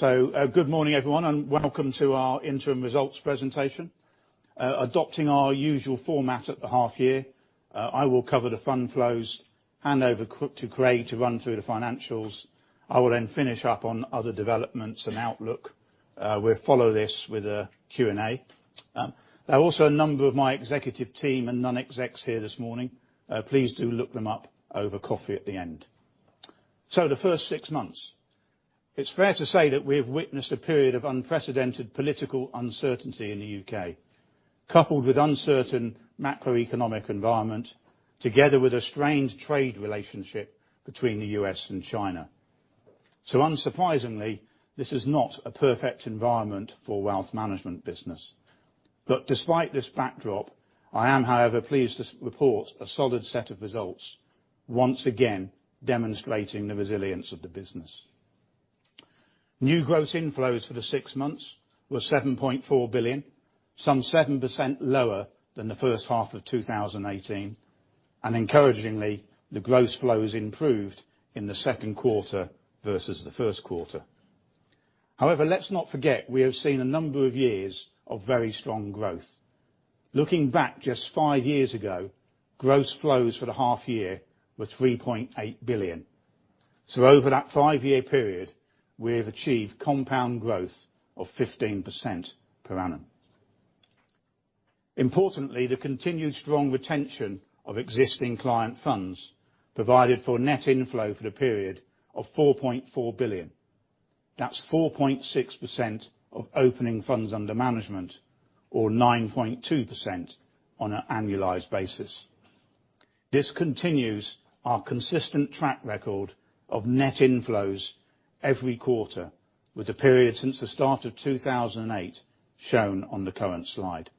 Good morning, everyone, and welcome to our interim results presentation. Adopting our usual format at the half year, I will cover the fund flows, hand over to Craig to run through the financials. I will then finish up on other developments and outlook. We'll follow this with a Q&A. There are also a number of my executive team and non-execs here this morning. Please do look them up over coffee at the end. The first six months. It's fair to say that we have witnessed a period of unprecedented political uncertainty in the U.K., coupled with uncertain macroeconomic environment, together with a strained trade relationship between the U.S. and China. Unsurprisingly, this is not a perfect environment for wealth management business. Despite this backdrop, I am, however, pleased to report a solid set of results, once again, demonstrating the resilience of the business. New gross inflows for the six months were 7.4 billion, some 7% lower than the first half of 2018. Encouragingly, the gross flows improved in the second quarter versus the first quarter. Let's not forget, we have seen a number of years of very strong growth. Looking back just five years ago, gross flows for the half year were 3.8 billion. Over that five-year period, we have achieved compound growth of 15% per annum. Importantly, the continued strong retention of existing client funds provided for net inflow for the period of 4.4 billion. That's 4.6% of opening funds under management or 9.2% on an annualized basis. This continues our consistent track record of net inflows every quarter with the period since the start of 2008 shown on the current slide.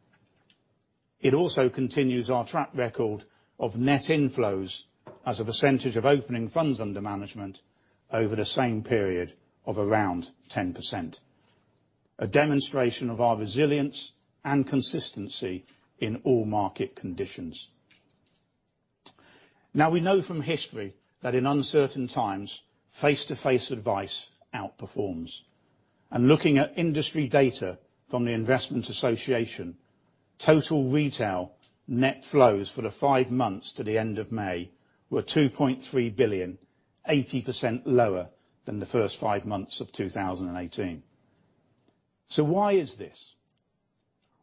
It also continues our track record of net inflows as a percentage of opening funds under management over the same period of around 10%. A demonstration of our resilience and consistency in all market conditions. Now, we know from history that in uncertain times, face-to-face advice outperforms. Looking at industry data from the Investment Association, total retail net flows for the five months to the end of May were 2.3 billion, 80% lower than the first five months of 2018. Why is this?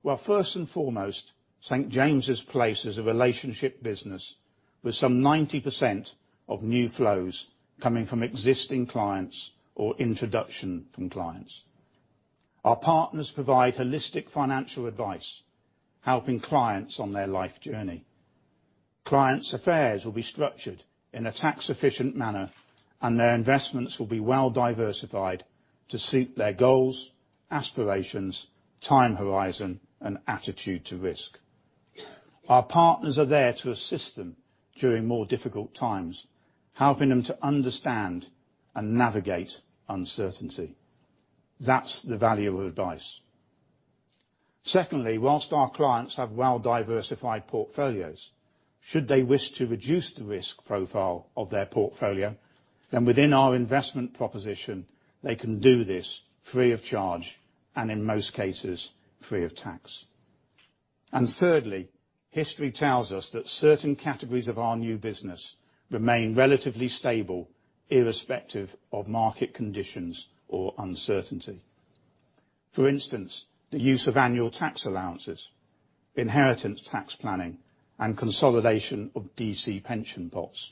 Well, first and foremost, St. James's Place is a relationship business with some 90% of new flows coming from existing clients or introduction from clients. Our partners provide holistic financial advice, helping clients on their life journey. Clients' affairs will be structured in a tax-efficient manner, and their investments will be well diversified to suit their goals, aspirations, time horizon, and attitude to risk. Our partners are there to assist them during more difficult times, helping them to understand and navigate uncertainty. That's the value of advice. Secondly, whilst our clients have well-diversified portfolios, should they wish to reduce the risk profile of their portfolio, then within our investment proposition, they can do this free of charge, and in most cases, free of tax. Thirdly, history tells us that certain categories of our new business remain relatively stable irrespective of market conditions or uncertainty. For instance, the use of annual tax allowances, inheritance tax planning, and consolidation of DC pension pots,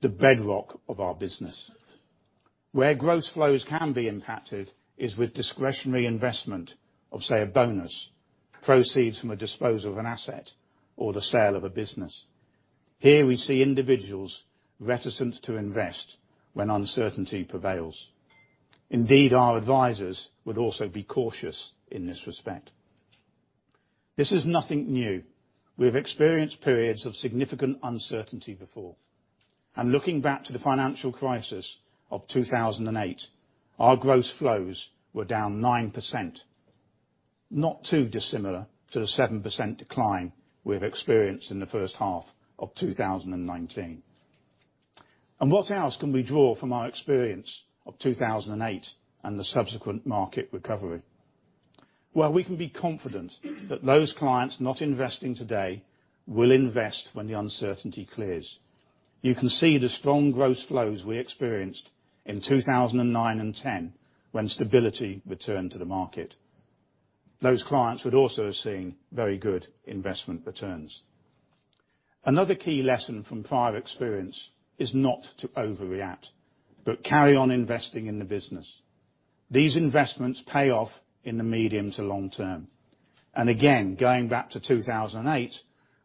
the bedrock of our business. Where gross flows can be impacted is with discretionary investment of, say, a bonus, proceeds from a disposal of an asset or the sale of a business. Here we see individuals reticent to invest when uncertainty prevails. Indeed, our advisers would also be cautious in this respect. This is nothing new. We have experienced periods of significant uncertainty before. Looking back to the financial crisis of 2008, our gross flows were down 9%, not too dissimilar to the 7% decline we've experienced in the first half of 2019. What else can we draw from our experience of 2008 and the subsequent market recovery? Well, we can be confident that those clients not investing today will invest when the uncertainty clears. You can see the strong gross flows we experienced in 2009 and '10 when stability returned to the market. Those clients would also have seen very good investment returns. Another key lesson from prior experience is not to overreact but carry on investing in the business. These investments pay off in the medium to long term. Again, going back to 2008,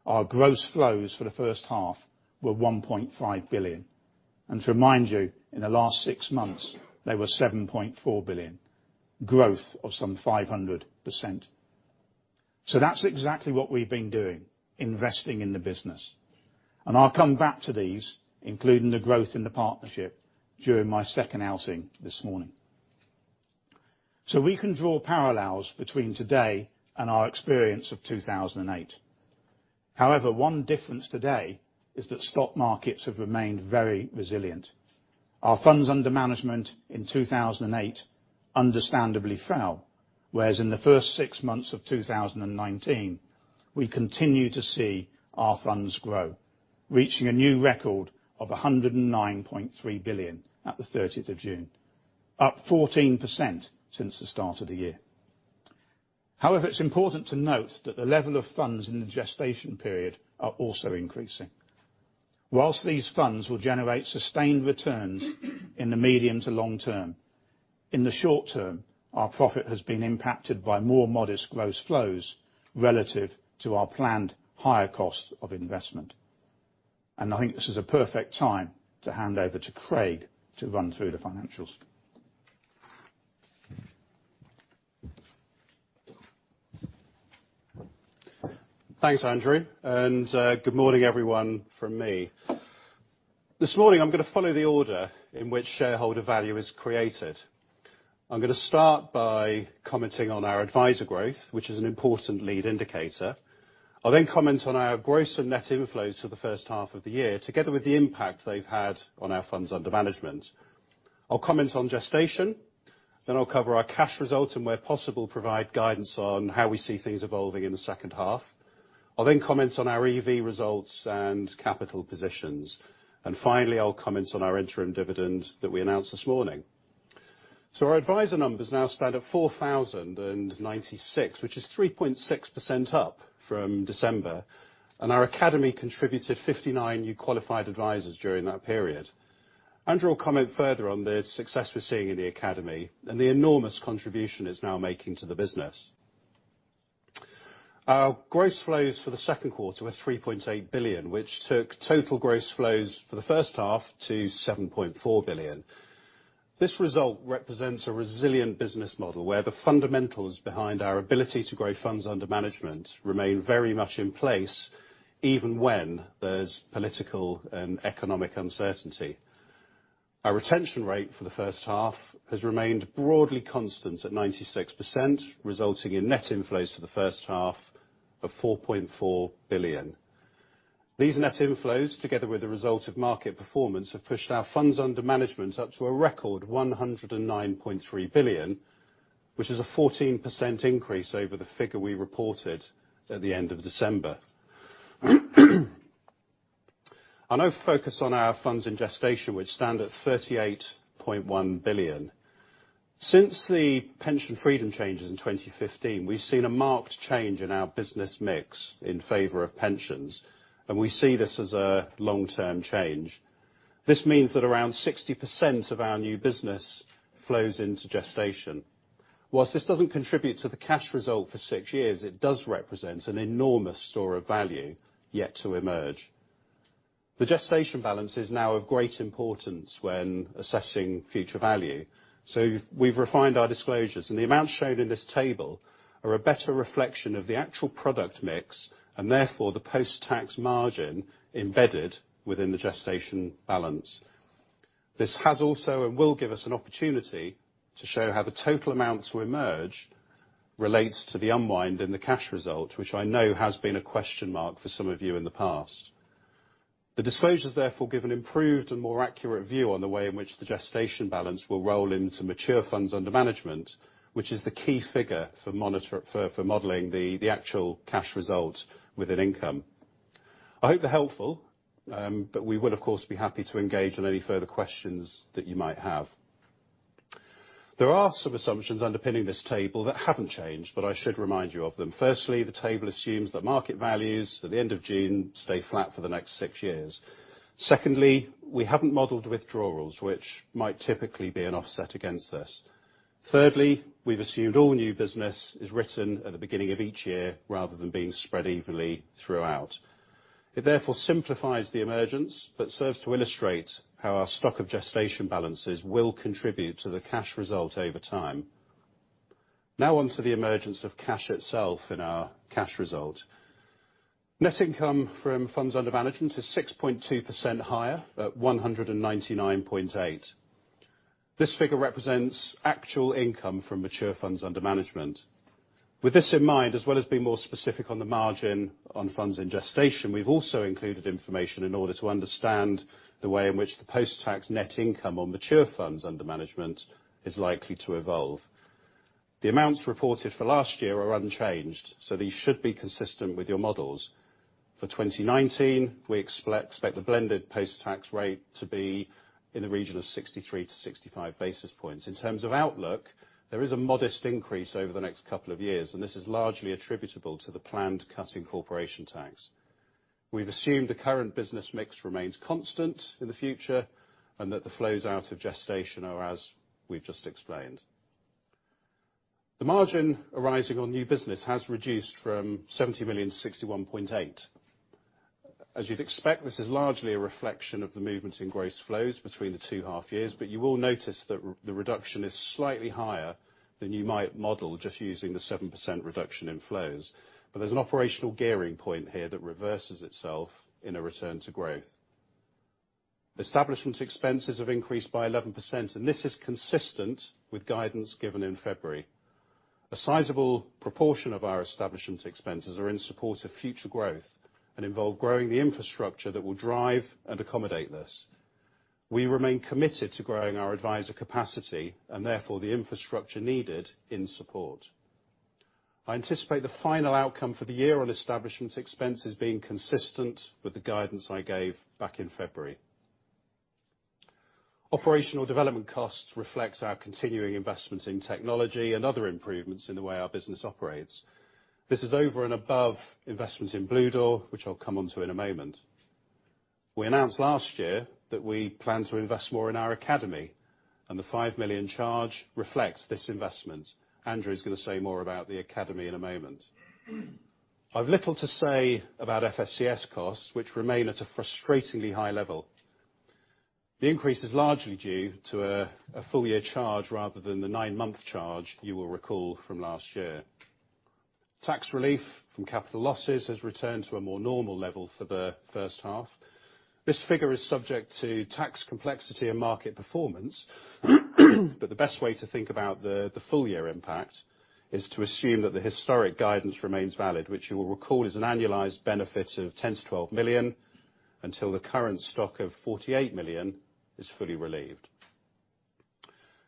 our gross flows for the first half were 1.5 billion. To remind you, in the last six months, they were 7.4 billion, growth of some 500%. That's exactly what we've been doing, investing in the business. I'll come back to these, including the growth in the partnership, during my second outing this morning. We can draw parallels between today and our experience of 2008. However, one difference today is that stock markets have remained very resilient. Our funds under management in 2008 understandably fell. Whereas in the first six months of 2019, we continue to see our funds grow, reaching a new record of 109.3 billion at the 30th of June, up 14% since the start of the year. However, it's important to note that the level of funds in the gestation period are also increasing. Whilst these funds will generate sustained returns in the medium to long term, in the short term, our profit has been impacted by more modest gross flows relative to our planned higher costs of investment. I think this is a perfect time to hand over to Craig, to run through the financials. Thanks, Andrew. Good morning, everyone, from me. This morning, I'm going to follow the order in which shareholder value is created. I'm going to start by commenting on our adviser growth, which is an important lead indicator. I'll then comment on our gross and net inflows for the first half of the year, together with the impact they've had on our funds under management. I'll comment on gestation, then I'll cover our cash results, and where possible, provide guidance on how we see things evolving in the second half. I'll then comment on our EEV results and capital positions. Finally, I'll comment on our interim dividend that we announced this morning. Our adviser numbers now stand at 4,096, which is 3.6% up from December, and our Academy contributed 59 new qualified advisers during that period. Andrew, will comment further on the success we're seeing in the Academy and the enormous contribution it's now making to the business. Our gross flows for the second quarter were 3.8 billion, which took total gross flows for the first half to 7.4 billion. This result represents a resilient business model where the fundamentals behind our ability to grow funds under management remain very much in place even when there's political and economic uncertainty. Our retention rate for the first half has remained broadly constant at 96%, resulting in net inflows for the first half of 4.4 billion. These net inflows, together with the result of market performance, have pushed our funds under management up to a record 109.3 billion, which is a 14% increase over the figure we reported at the end of December. I'll now focus on our funds in gestation, which stand at 38.1 billion. Since the Pension Freedoms changes in 2015, we've seen a marked change in our business mix in favor of pensions, and we see this as a long-term change. This means that around 60% of our new business flows into gestation. Whilst this doesn't contribute to the cash result for six years, it does represent an enormous store of value yet to emerge. The gestation balance is now of great importance when assessing future value. We've refined our disclosures, and the amounts shown in this table are a better reflection of the actual product mix, and therefore the post-tax margin embedded within the gestation balance. This has also, and will give us an opportunity to show how the total amount to emerge relates to the unwind in the cash result, which I know has been a question mark for some of you in the past. The disclosures therefore give an improved and more accurate view on the way in which the gestation balance will roll into mature funds under management, which is the key figure for modeling the actual cash result with an income. I hope they're helpful, but we would, of course, be happy to engage on any further questions that you might have. There are some assumptions underpinning this table that haven't changed, but I should remind you of them. Firstly, the table assumes that market values at the end of June stay flat for the next six years. Secondly, we haven't modeled withdrawals, which might typically be an offset against this. Thirdly, we've assumed all new business is written at the beginning of each year rather than being spread evenly throughout. It therefore simplifies the emergence, but serves to illustrate how our stock of gestation balances will contribute to the cash result over time. Now on to the emergence of cash itself in our cash result. Net income from funds under management is 6.2% higher at 199.8 million. This figure represents actual income from mature funds under management. With this in mind, as well as being more specific on the margin on funds in gestation, we've also included information in order to understand the way in which the post-tax net income on mature funds under management is likely to evolve. The amounts reported for last year are unchanged, so these should be consistent with your models. For 2019, we expect the blended post-tax rate to be in the region of 63-65 basis points. In terms of outlook, there is a modest increase over the next couple of years, and this is largely attributable to the planned cut in corporation tax. We've assumed the current business mix remains constant in the future, and that the flows out of gestation are as we've just explained. The margin arising on new business has reduced from 70 million to 61.8 million. As you'd expect, this is largely a reflection of the movement in gross flows between the two half years, you will notice that the reduction is slightly higher than you might model just using the 7% reduction in flows. There's an operational gearing point here that reverses itself in a return to growth. Establishment expenses have increased by 11%, and this is consistent with guidance given in February. A sizable proportion of our establishment expenses are in support of future growth, and involve growing the infrastructure that will drive and accommodate this. We remain committed to growing our adviser capacity, and therefore the infrastructure needed in support. I anticipate the final outcome for the year on establishment expenses being consistent with the guidance I gave back in February. Operational development costs reflects our continuing investment in technology and other improvements in the way our business operates. This is over and above investments in Bluedoor, which I will come onto in a moment. We announced last year that we plan to invest more in our Academy, and the 5 million charge reflects this investment. Andrew, is going to say more about the Academy in a moment. I have little to say about FSCS costs, which remain at a frustratingly high level. The increase is largely due to a full year charge rather than the nine-month charge you will recall from last year. Tax relief from capital losses has returned to a more normal level for the first half. This figure is subject to tax complexity and market performance. The best way to think about the full year impact is to assume that the historic guidance remains valid, which you will recall is an annualized benefit of 10 million-12 million, until the current stock of 48 million is fully relieved.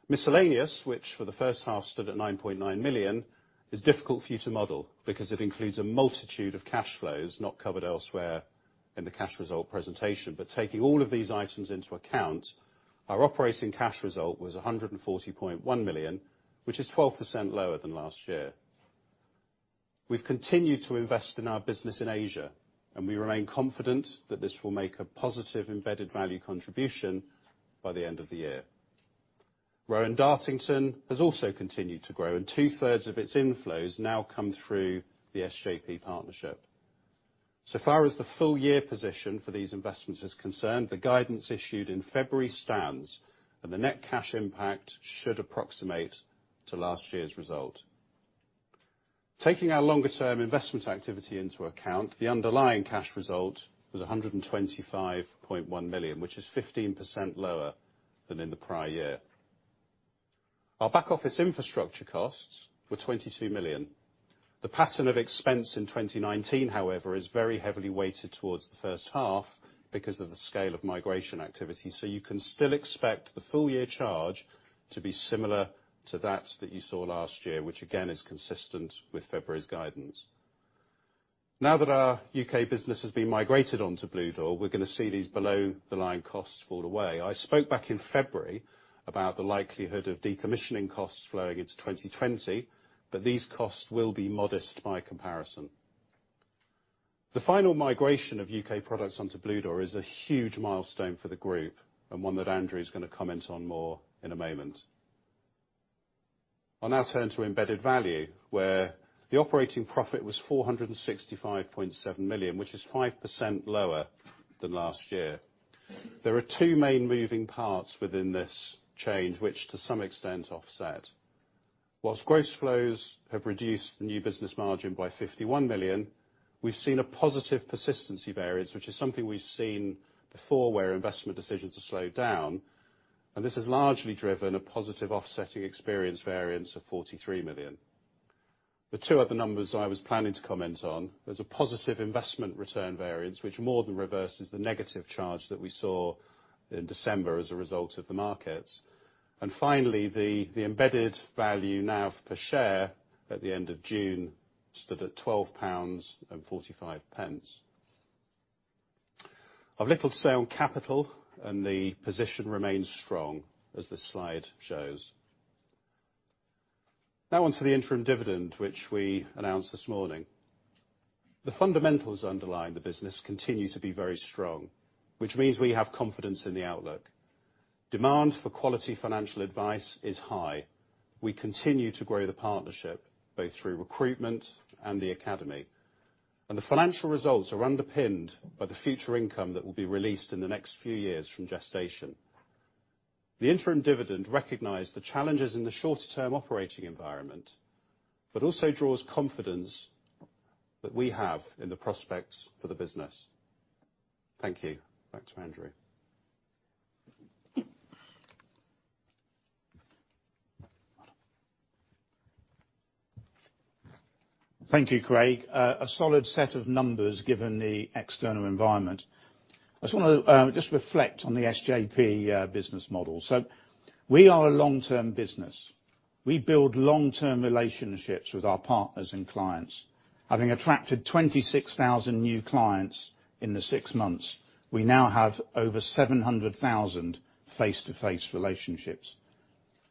Miscellaneous, which for the first half stood at 9.9 million, is difficult for you to model, because it includes a multitude of cash flows not covered elsewhere in the cash result presentation. Taking all of these items into account, our operating cash result was 140.1 million, which is 12% lower than last year. We've continued to invest in our business in Asia, and we remain confident that this will make a positive embedded value contribution by the end of the year. Rowan Dartington has also continued to grow, and two-thirds of its inflows now come through the SJP partnership. So far as the full year position for these investments is concerned, the guidance issued in February stands, and the net cash impact should approximate to last year's result. Taking our longer term investment activity into account, the underlying cash result was 125.1 million, which is 15% lower than in the prior year. Our back office infrastructure costs were 22 million. The pattern of expense in 2019, however, is very heavily weighted towards the first half because of the scale of migration activity. You can still expect the full year charge to be similar to that which you saw last year, which again is consistent with February's guidance. Now that our U.K. business has been migrated onto Bluedoor, we're going to see these below the line costs fall away. I spoke back in February about the likelihood of decommissioning costs flowing into 2020, but these costs will be modest by comparison. The final migration of U.K. products onto Bluedoor is a huge milestone for the group, and one that Andrew is going to comment on more in a moment. I'll now turn to embedded value, where the operating profit was 465.7 million, which is 5% lower than last year. There are two main moving parts within this change, which to some extent offset. Whilst gross flows have reduced the new business margin by 51 million, we've seen a positive persistency variance, which is something we've seen before where investment decisions are slowed down. This has largely driven a positive offsetting experience variance of 43 million. The two other numbers I was planning to comment on. There's a positive investment return variance, which more than reverses the negative charge that we saw in December as a result of the markets. Finally, the embedded value now per share at the end of June stood at 12.45 pounds. I've little to say on capital, and the position remains strong, as this slide shows. Now onto the interim dividend, which we announced this morning. The fundamentals underlying the business continue to be very strong, which means we have confidence in the outlook. Demand for quality financial advice is high. We continue to grow the partnership, both through recruitment and the Academy. The financial results are underpinned by the future income that will be released in the next few years from gestation. The interim dividend recognized the challenges in the shorter term operating environment, but also draws confidence that we have in the prospects for the business. Thank you. Back to Andrew. Thank you, Craig. A solid set of numbers given the external environment. I just want to reflect on the SJP business model. We are a long-term business. We build long-term relationships with our partners and clients. Having attracted 26,000 new clients in the six months, we now have over 700,000 face-to-face relationships.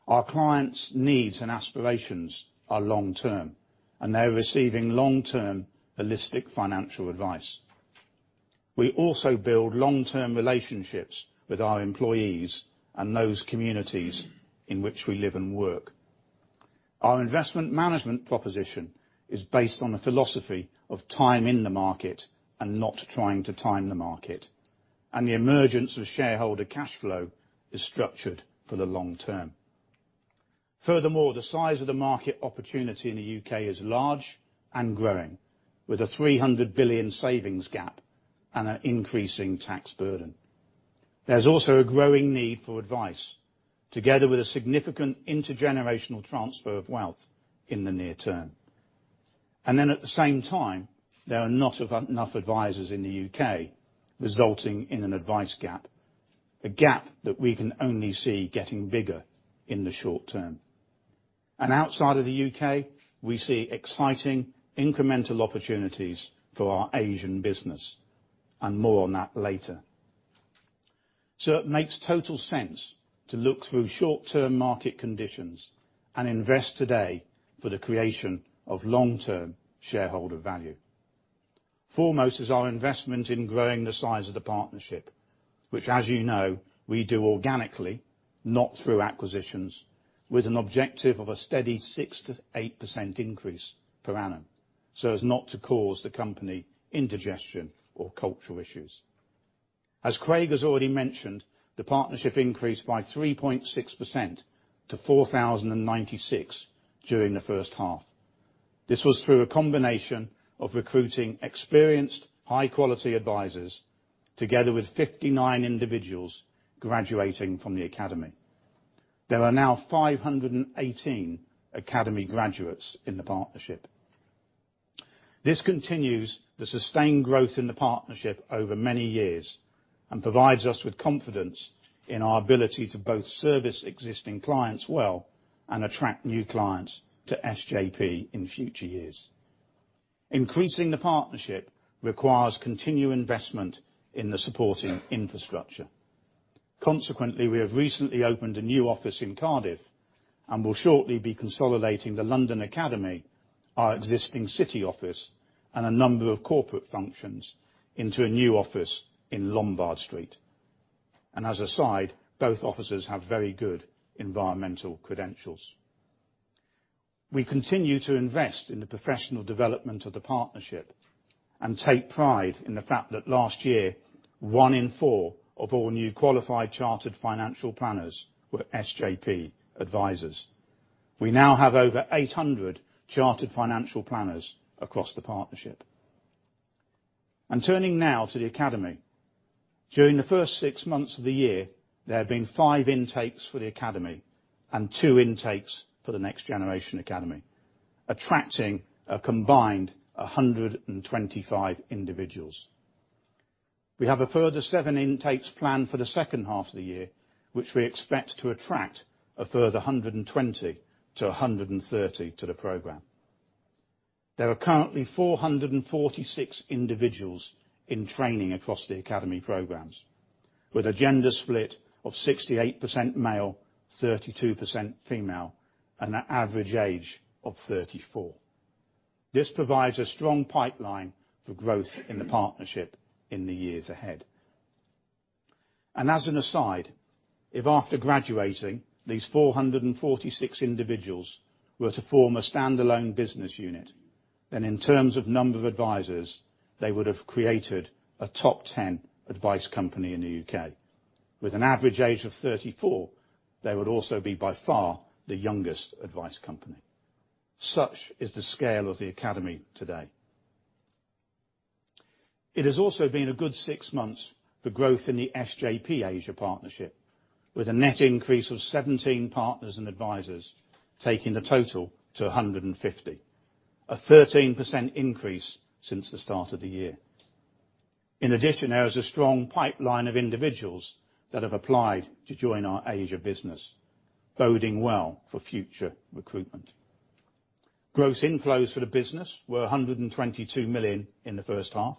Our clients' needs and aspirations are long term, and they're receiving long-term holistic financial advice. We also build long-term relationships with our employees and those communities in which we live and work. Our investment management proposition is based on a philosophy of time in the market and not trying to time the market. The emergence of shareholder cash flow is structured for the long term. Furthermore, the size of the market opportunity in the U.K. is large and growing, with a 300 billion savings gap and an increasing tax burden. There's also a growing need for advice, together with a significant intergenerational transfer of wealth in the near term. At the same time, there are not enough advisers in the U.K., resulting in an advice gap, a gap that we can only see getting bigger in the short term. Outside of the U.K., we see exciting incremental opportunities for our Asian business, and more on that later. It makes total sense to look through short-term market conditions and invest today for the creation of long-term shareholder value. Foremost is our investment in growing the size of the partnership, which, as you know, we do organically, not through acquisitions, with an objective of a steady 6%-8% increase per annum, so as not to cause the company indigestion or cultural issues. As Craig has already mentioned, the partnership increased by 3.6% to 4,096 during the first half. This was through a combination of recruiting experienced, high-quality advisers, together with 59 individuals graduating from the Academy. There are now 518 Academy graduates in the partnership. This continues the sustained growth in the partnership over many years and provides us with confidence in our ability to both service existing clients well and attract new clients to SJP in future years. Increasing the partnership requires continued investment in the supporting infrastructure. Consequently, we have recently opened a new office in Cardiff and will shortly be consolidating the London Academy, our existing city office, and a number of corporate functions into a new office in Lombard Street. As a side, both offices have very good environmental credentials. We continue to invest in the professional development of the partnership and take pride in the fact that last year, one in four of all new qualified Chartered Financial Planners were SJP advisers. We now have over 800 Chartered Financial Planners across the partnership. Turning now to the Academy. During the first six months of the year, there have been five intakes for the Academy and two intakes for the Next Generation Academy, attracting a combined 125 individuals. We have a further seven intakes planned for the second half of the year, which we expect to attract a further 120 to 130 to the program. There are currently 446 individuals in training across the Academy programs, with a gender split of 68% male, 32% female, and an average age of 34. This provides a strong pipeline for growth in the partnership in the years ahead. As an aside, if after graduating, these 446 individuals were to form a standalone business unit, then in terms of number of advisers, they would have created a top 10 advice company in the U.K. With an average age of 34, they would also be by far the youngest advice company. Such is the scale of the Academy today. It has also been a good six months for growth in the SJP Asia partnership, with a net increase of 17 partners and advisers, taking the total to 150, a 13% increase since the start of the year. In addition, there is a strong pipeline of individuals that have applied to join our Asia business, boding well for future recruitment. Gross inflows for the business were 122 million in the first half,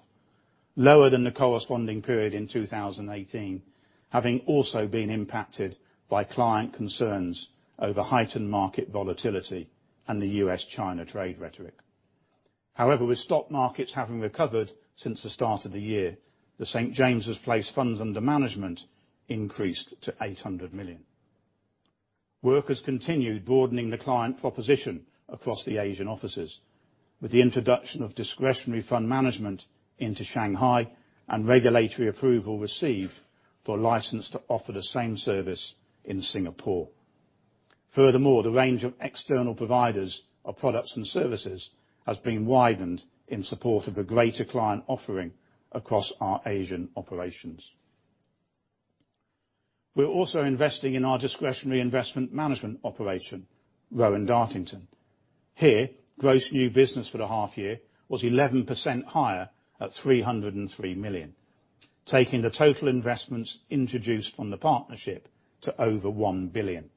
lower than the corresponding period in 2018, having also been impacted by client concerns over heightened market volatility and the U.S.-China trade rhetoric. With stock markets having recovered since the start of the year, the St. James's Place funds under management increased to 800 million. Work has continued broadening the client proposition across the Asian offices with the introduction of discretionary fund management into Shanghai and regulatory approval received for a license to offer the same service in Singapore. The range of external providers of products and services has been widened in support of a greater client offering across our Asian operations. We're also investing in our discretionary investment management operation, Rowan Dartington. Here, gross new business for the half year was 11% higher at 303 million, taking the total investments introduced from the partnership to over 1 billion.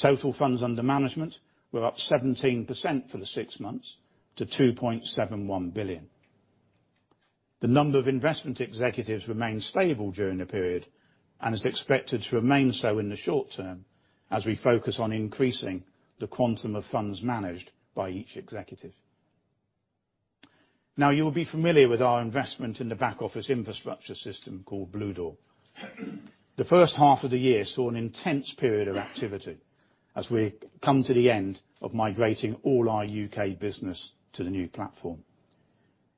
Total funds under management were up 17% for the six months to 2.71 billion. The number of investment executives remained stable during the period and is expected to remain so in the short term as we focus on increasing the quantum of funds managed by each executive. You will be familiar with our investment in the back office infrastructure system called Bluedoor. The first half of the year saw an intense period of activity as we come to the end of migrating all our U.K. business to the new platform.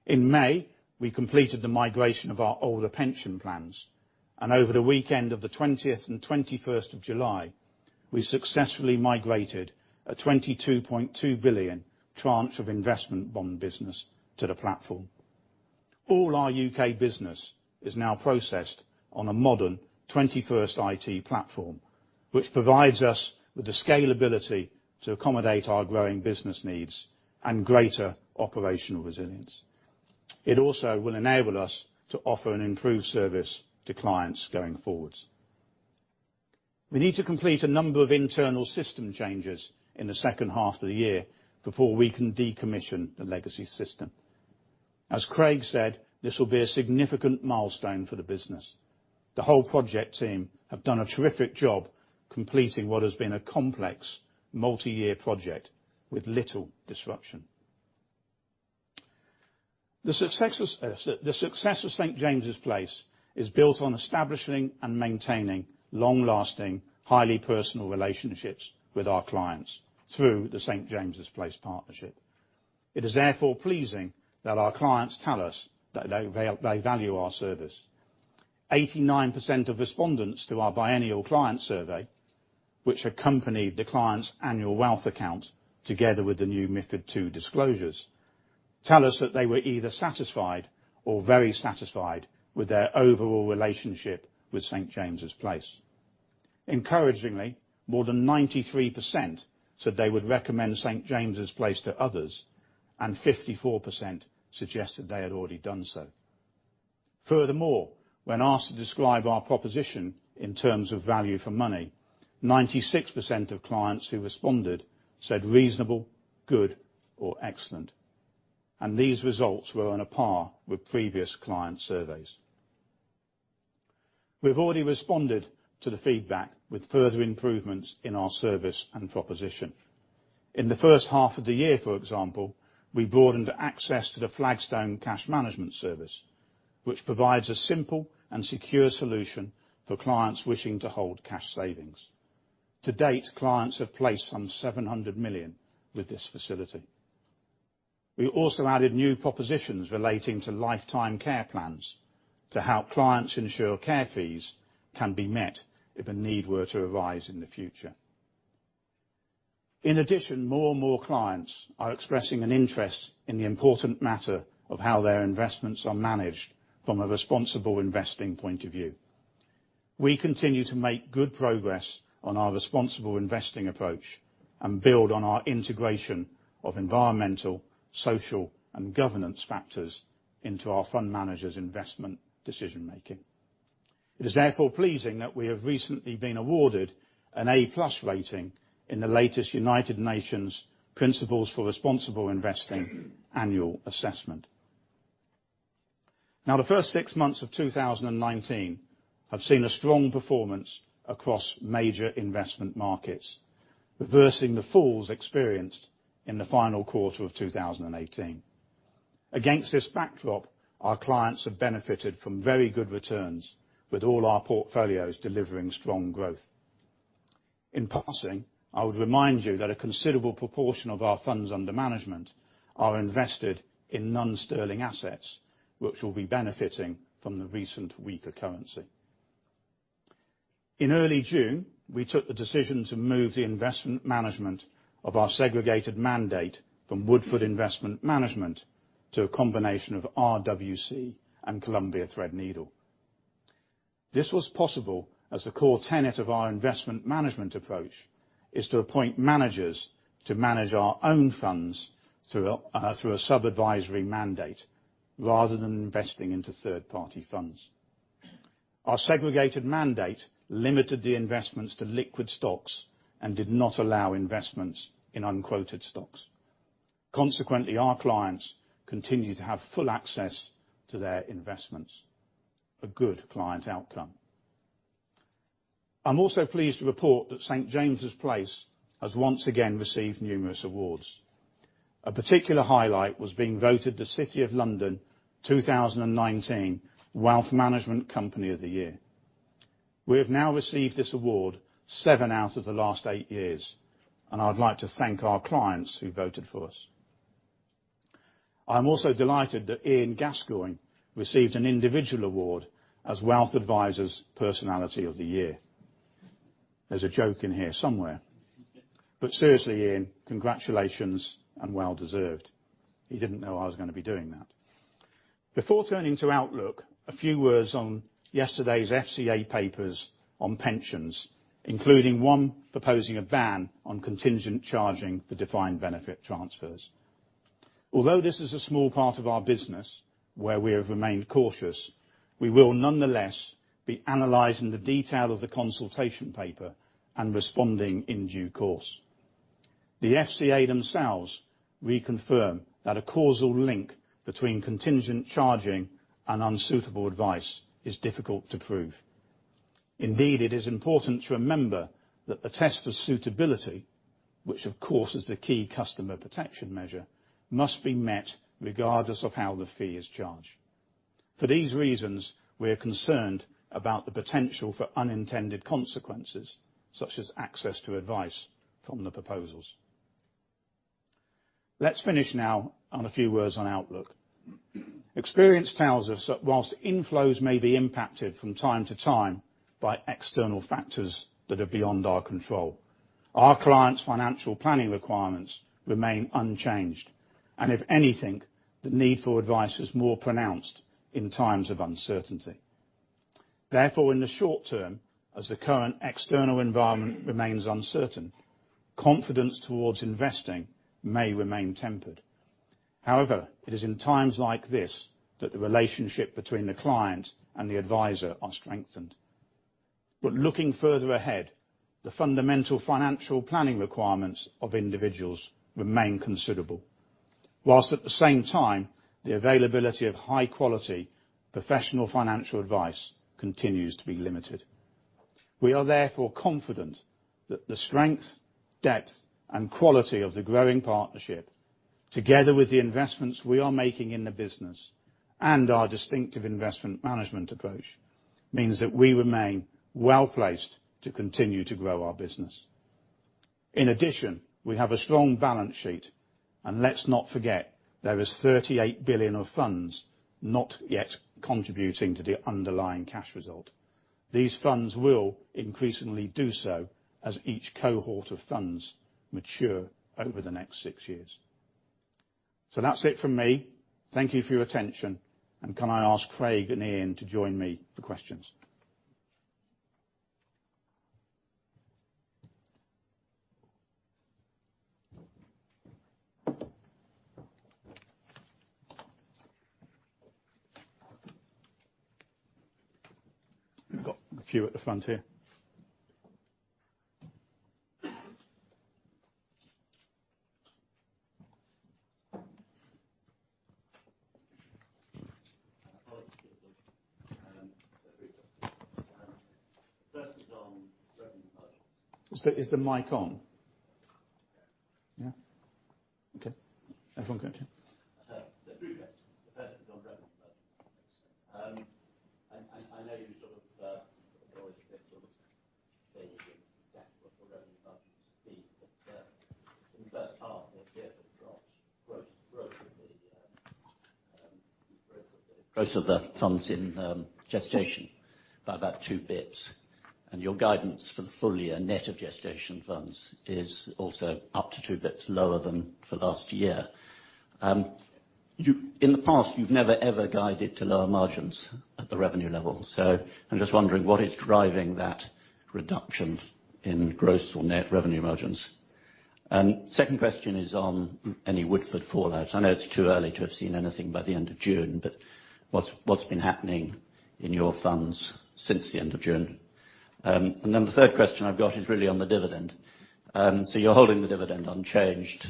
In May, we completed the migration of our older pension plans, and over the weekend of the 20th and 21st of July, we successfully migrated a 22.2 billion tranche of investment bond business to the platform. All our U.K. business is now processed on a modern 21st IT platform, which provides us with the scalability to accommodate our growing business needs and greater operational resilience. It also will enable us to offer an improved service to clients going forwards. We need to complete a number of internal system changes in the second half of the year before we can decommission the legacy system. As Craig said, this will be a significant milestone for the business. The whole project team have done a terrific job completing what has been a complex multi-year project with little disruption. The success of St. James's Place is built on establishing and maintaining long-lasting, highly personal relationships with our clients through the St. James's Place partnership. It is therefore pleasing that our clients tell us that they value our service. 89% of respondents to our biennial client survey, which accompanied the client's annual wealth account together with the new MiFID II disclosures, tell us that they were either satisfied or very satisfied with their overall relationship with St. James's Place. Encouragingly, more than 93% said they would recommend St. James's Place to others, and 54% suggested they had already done so. Furthermore, when asked to describe our proposition in terms of value for money, 96% of clients who responded said reasonable, good or excellent. These results were on a par with previous client surveys. We've already responded to the feedback with further improvements in our service and proposition. In the first half of the year, for example, we broadened access to the Flagstone cash management service, which provides a simple and secure solution for clients wishing to hold cash savings. To date, clients have placed some 700 million with this facility. We also added new propositions relating to lifetime care plans to help clients ensure care fees can be met if a need were to arise in the future. In addition, more and more clients are expressing an interest in the important matter of how their investments are managed from a responsible investing point of view. We continue to make good progress on our responsible investing approach and build on our integration of environmental, social, and governance factors into our fund managers' investment decision-making. It is therefore pleasing that we have recently been awarded an A+ rating in the latest United Nations Principles for Responsible Investment annual assessment. The first six months of 2019 have seen a strong performance across major investment markets, reversing the falls experienced in the final quarter of 2018. Against this backdrop, our clients have benefited from very good returns, with all our portfolios delivering strong growth. In passing, I would remind you that a considerable proportion of our funds under management are invested in non-sterling assets, which will be benefiting from the recent weaker currency. In early June, we took the decision to move the investment management of our segregated mandate from Woodford Investment Management to a combination of RWC and Columbia Threadneedle. This was possible as the core tenet of our investment management approach is to appoint managers to manage our own funds through a sub-advisory mandate rather than investing into third-party funds. Our segregated mandate limited the investments to liquid stocks and did not allow investments in unquoted stocks. Consequently, our clients continue to have full access to their investments. A good client outcome. I'm also pleased to report that St. James's Place has once again received numerous awards. A particular highlight was being voted the City of London 2019 Wealth Management Company of the Year. We have now received this award seven out of the last eight years, and I would like to thank our clients who voted for us. I am also delighted that Ian Gascoigne received an individual award as Best Wealth Adviser Personality of the Year. There's a joke in here somewhere. Seriously, Ian, congratulations, and well-deserved. He didn't know I was going to be doing that. Before turning to outlook, a few words on yesterday's FCA papers on pensions, including one proposing a ban on contingent charging for defined benefit transfers. Although this is a small part of our business where we have remained cautious, we will nonetheless be analyzing the detail of the consultation paper and responding in due course. The FCA themselves reconfirm that a causal link between contingent charging and unsuitable advice is difficult to prove. Indeed, it is important to remember that the test for suitability, which of course is the key customer protection measure, must be met regardless of how the fee is charged. For these reasons, we are concerned about the potential for unintended consequences, such as access to advice from the proposals. Let's finish now on a few words on outlook. Experience tells us that whilst inflows may be impacted from time to time by external factors that are beyond our control, our clients' financial planning requirements remain unchanged. If anything, the need for advice is more pronounced in times of uncertainty. Therefore, in the short term, as the current external environment remains uncertain, confidence towards investing may remain tempered. However, it is in times like this that the relationship between the client and the adviser are strengthened. Looking further ahead, the fundamental financial planning requirements of individuals remain considerable, while at the same time, the availability of high-quality, professional financial advice continues to be limited. We are therefore confident that the strength, depth and quality of the growing partnership, together with the investments we are making in the business and our distinctive investment management approach, means that we remain well-placed to continue to grow our business. In addition, we have a strong balance sheet, and let's not forget there is 38 billion of funds not yet contributing to the underlying cash result. These funds will increasingly do so as each cohort of funds mature over the next six years. That's it from me. Thank you for your attention. Can I ask Craig and Ian to join me for questions? We've got a few at the front here. Is the mic on? Yeah. Okay. Everyone good? [I know you sort of always give the revenue margins fee, but in the first half this year, they've dropped gross] of the funds in gestation by about two basis points. Your guidance for the full year net of gestation funds is also up to two bps lower than for last year. In the past, you've never, ever guided to lower margins at the revenue level. I'm just wondering what is driving that reduction in gross or net revenue margins. Second question is on any Woodford fallout. I know it's too early to have seen anything by the end of June, but what's been happening in your funds since the end of June? The third question I've got is really on the dividend. You're holding the dividend unchanged,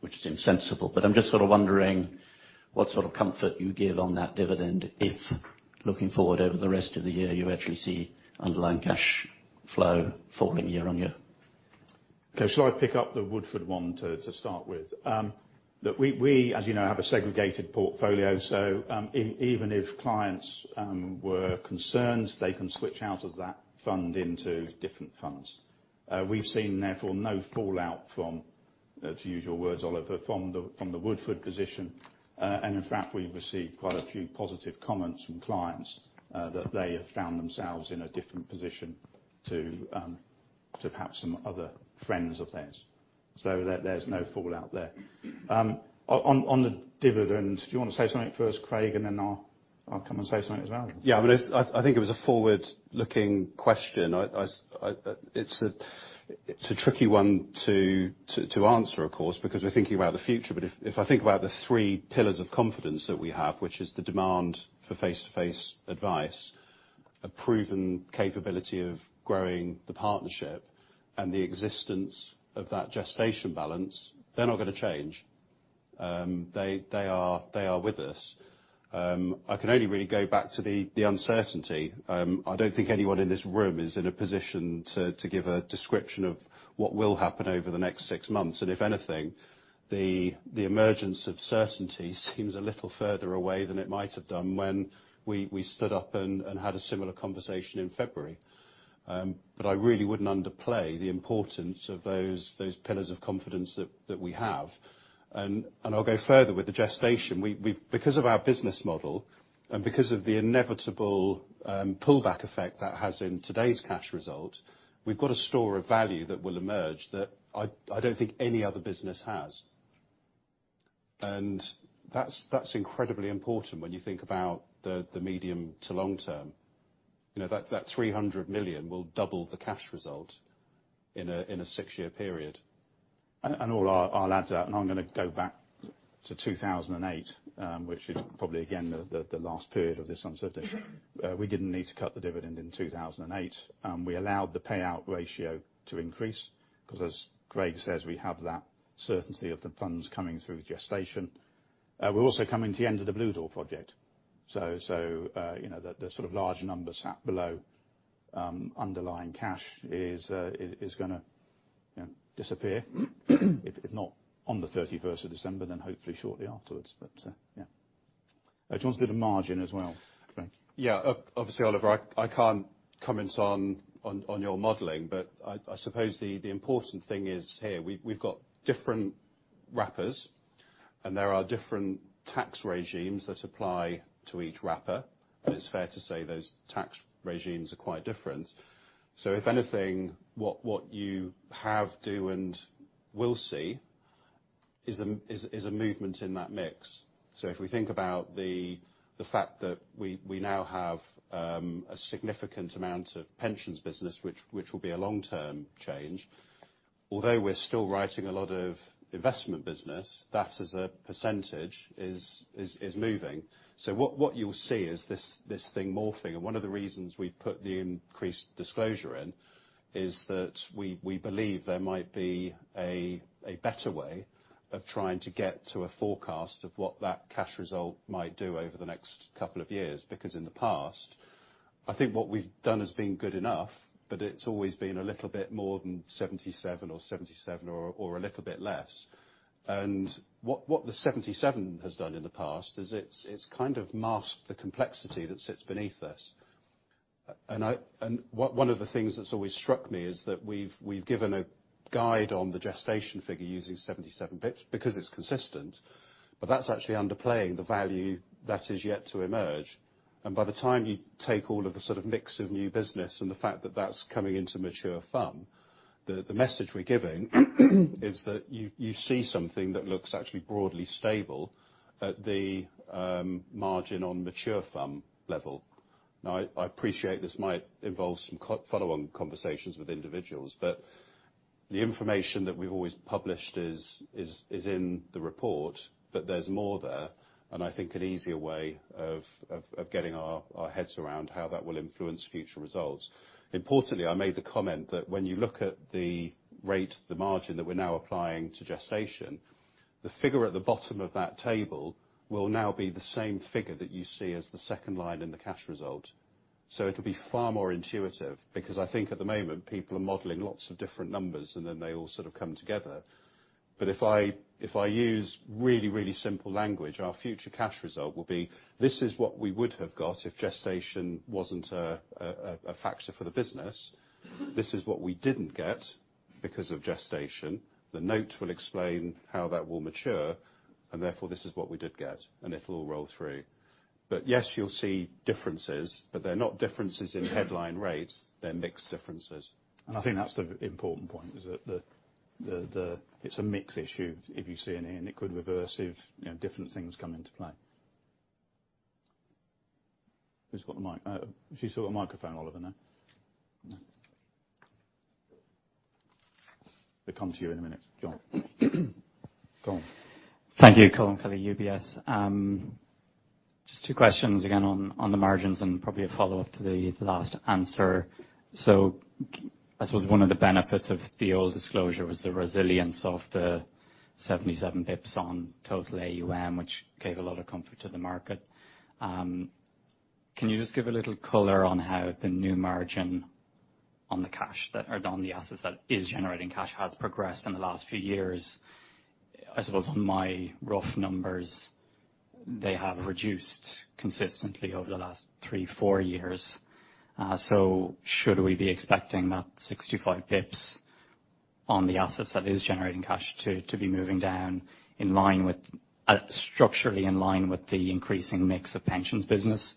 which seems sensible, but I'm just sort of wondering what sort of comfort you give on that dividend if looking forward over the rest of the year, you actually see underlying cash flow falling year-on-year. Okay, shall I pick up the Woodford one to start with? Look, we, as you know, have a segregated portfolio. Even if clients were concerned, they can switch out of that fund into different funds. We've seen, therefore, no fallout from, to use your words, Oliver, from the Woodford position. In fact, we've received quite a few positive comments from clients that they have found themselves in a different position to perhaps some other friends of theirs. There's no fallout there. On the dividend, do you want to say something first, Craig, and then I'll come and say something as well. I think it was a forward-looking question. It's a tricky one to answer, of course, because we're thinking about the future. If I think about the three pillars of confidence that we have which is the demand for face-to-face advice, a proven capability of growing the partnership, and the existence of that gestation balance, they're not going to change. They are with us. I can only really go back to the uncertainty. I don't think anyone in this room is in a position to give a description of what will happen over the next six months. If anything, the emergence of certainty seems a little further away than it might have done when we stood up and had a similar conversation in February. I really wouldn't underplay the importance of those pillars of confidence that we have. I'll go further with the gestation. Because of our business model and because of the inevitable pullback effect that has in today's cash result, we've got a store of value that will emerge that I don't think any other business has. That's incredibly important when you think about the medium to long term. That 300 million will double the cash result in a six-year period. I'll add to that, and I'm going to go back to 2008, which is probably, again, the last period of this uncertainty. We didn't need to cut the dividend in 2008. We allowed the payout ratio to increase because, as Craig says, we have that certainty of the funds coming through with gestation. We're also coming to the end of the Bluedoor project. The sort of large number sat below underlying cash is going to disappear. If not on the 31st of December, then hopefully shortly afterwards. Yeah. Do you want to do the margin as well, Craig? Obviously, Oliver, I can't comment on your modeling, but I suppose the important thing is here we've got different wrappers and there are different tax regimes that apply to each wrapper, and it's fair to say those tax regimes are quite different. If anything, what you have, do, and will see is a movement in that mix. If we think about the fact that we now have a significant amount of pensions business, which will be a long-term change, although we're still writing a lot of investment business, that as a percentage is moving. What you'll see is this thing morphing, and one of the reasons we put the increased disclosure in is that we believe there might be a better way of trying to get to a forecast of what that cash result might do over the next couple of years. In the past, I think what we've done has been good enough, but it's always been a little bit more than 77 or 77 or a little bit less. What the 77 has done in the past is it's kind of masked the complexity that sits beneath this. One of the things that's always struck me is that we've given a guide on the gestation figure using 77 bps because it's consistent, but that's actually underplaying the value that is yet to emerge. By the time you take all of the sort of mix of new business and the fact that that's coming into mature FUM, the message we're giving is that you see something that looks actually broadly stable at the margin on mature FUM level. I appreciate this might involve some follow-on conversations with individuals, the information that we've always published is in the report, there's more there, and I think an easier way of getting our heads around how that will influence future results. Importantly, I made the comment that when you look at the rate, the margin that we're now applying to gestation, the figure at the bottom of that table will now be the same figure that you see as the second line in the cash result. It'll be far more intuitive, because I think at the moment, people are modeling lots of different numbers and then they all sort of come together. If I use really, really simple language, our future cash result will be, this is what we would have got if gestation wasn't a factor for the business. This is what we didn't get because of gestation. The note will explain how that will mature, and therefore, this is what we did get, and it'll all roll through. Yes, you'll see differences, but they're not differences in headline rates, they're mixed differences. I think that's the important point, is that it's a mix issue if you see any, and it could reverse if different things come into play. Who's got the mic? She's got a microphone, Oliver, now. It comes to you in a minute. Jon. Colm. Thank you, Colm Kelly, UBS. Just two questions again on the margins and probably a follow-up to the last answer. I suppose one of the benefits of the old disclosure was the resilience of the 77 bps on total AUM, which gave a lot of comfort to the market. Can you just give a little color on how the new margin on the cash that are on the assets that is generating cash has progressed in the last few years? I suppose on my rough numbers, they have reduced consistently over the last three, four years. Should we be expecting that 65 bps on the assets that is generating cash to be moving down structurally in line with the increasing mix of pensions business?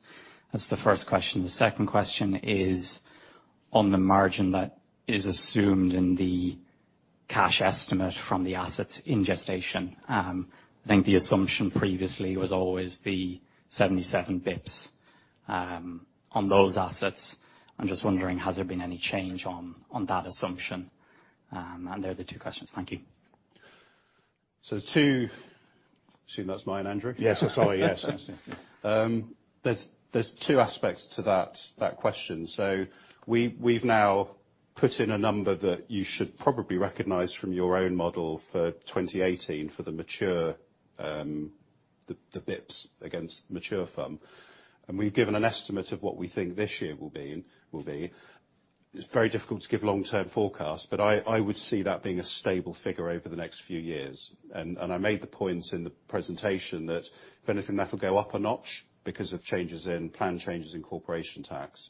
That's the first question. The second question is on the margin that is assumed in the cash estimate from the assets in gestation. I think the assumption previously was always the 77 basis points on those assets. I'm just wondering, has there been any change on that assumption? They are the two questions. Thank you. Two. I assume that's mine, Andrew. Yes. Sorry. Yes. There's two aspects to that question. We've now put in a number that you should probably recognize from your own model for 2018 for the mature, the bps against mature FUM. We've given an estimate of what we think this year will be. It's very difficult to give long-term forecast, but I would see that being a stable figure over the next few years. I made the point in the presentation that if anything, that'll go up a notch because of plan changes in corporation tax.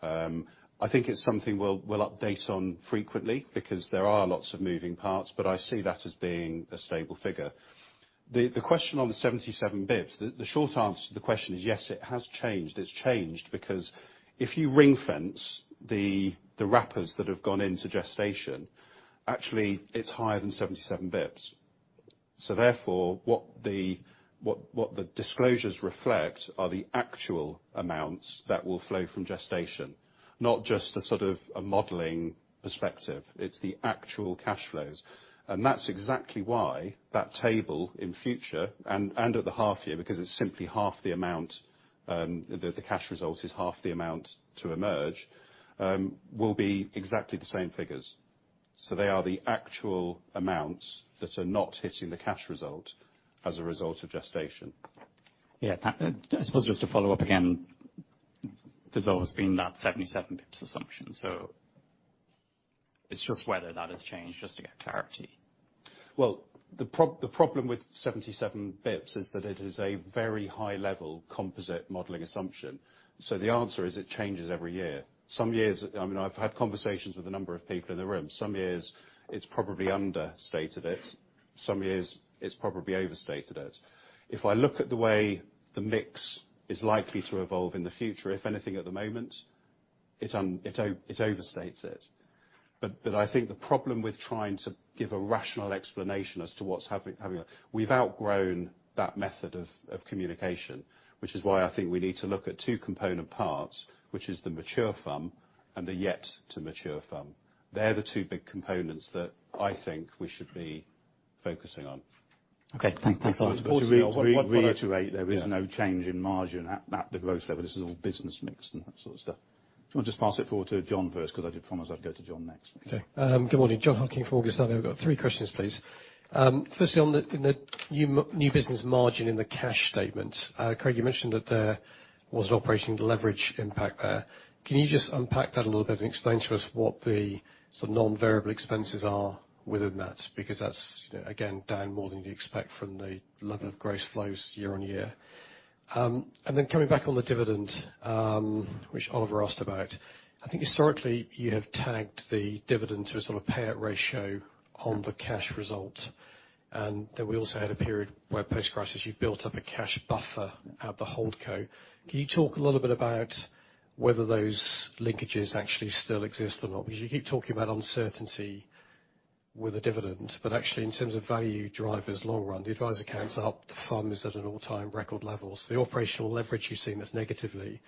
I think it's something we'll update on frequently because there are lots of moving parts, but I see that as being a stable figure. The question on the 77 bps, the short answer to the question is yes, it has changed. It's changed because if you ring-fence the wrappers that have gone into gestation, actually it's higher than 77 bps. Therefore, what the disclosures reflect are the actual amounts that will flow from gestation, not just a sort of a modeling perspective. It's the actual cash flows. That's exactly why that table in future and at the half year, because it's simply half the amount, the cash result is half the amount to emerge, will be exactly the same figures. They are the actual amounts that are not hitting the cash result as a result of gestation. Yeah. I suppose just to follow up again, there's always been that 77 bps assumption. It's just whether that has changed, just to get clarity. The problem with 77 bps is that it is a very high level composite modeling assumption. The answer is, it changes every year. I've had conversations with a number of people in the room. Some years it's probably understated it. Some years, it's probably overstated it. If I look at the way the mix is likely to evolve in the future, if anything, at the moment, it overstates it. I think the problem with trying to give a rational explanation as to what's happening, we've outgrown that method of communication. Which is why I think we need to look at two component parts, which is the mature FUM and the yet-to-mature FUM. They're the two big components that I think we should be focusing on. Okay. Thanks a lot. To reiterate, there is no change in margin at the gross level. This is all business mix and that sort of stuff. Do you want to just pass it forward to Jon first, because I did promise I'd go to Jon next. Okay. Good morning. Jon Hocking for Morgan Stanley. I've got three questions, please. Firstly, on the new business margin in the cash statement. Craig, you mentioned that there was an operational leverage impact there. Can you just unpack that a little bit and explain to us what the sort of non-variable expenses are within that? Because that's, again, down more than you'd expect from the level of gross flows year-on-year. Coming back on the dividend, which Oliver asked about. I think historically you have tagged the dividend to a sort of payout ratio on the cash result. We also had a period where post-crisis, you built up a cash buffer at the holdco. Can you talk a little bit about whether those linkages actually still exist or not? You keep talking about uncertainty with a dividend, but actually in terms of value drivers long-run, the adviser counts are up, the FUM is at an all-time record levels. The operational leverage you're seeing that's negatively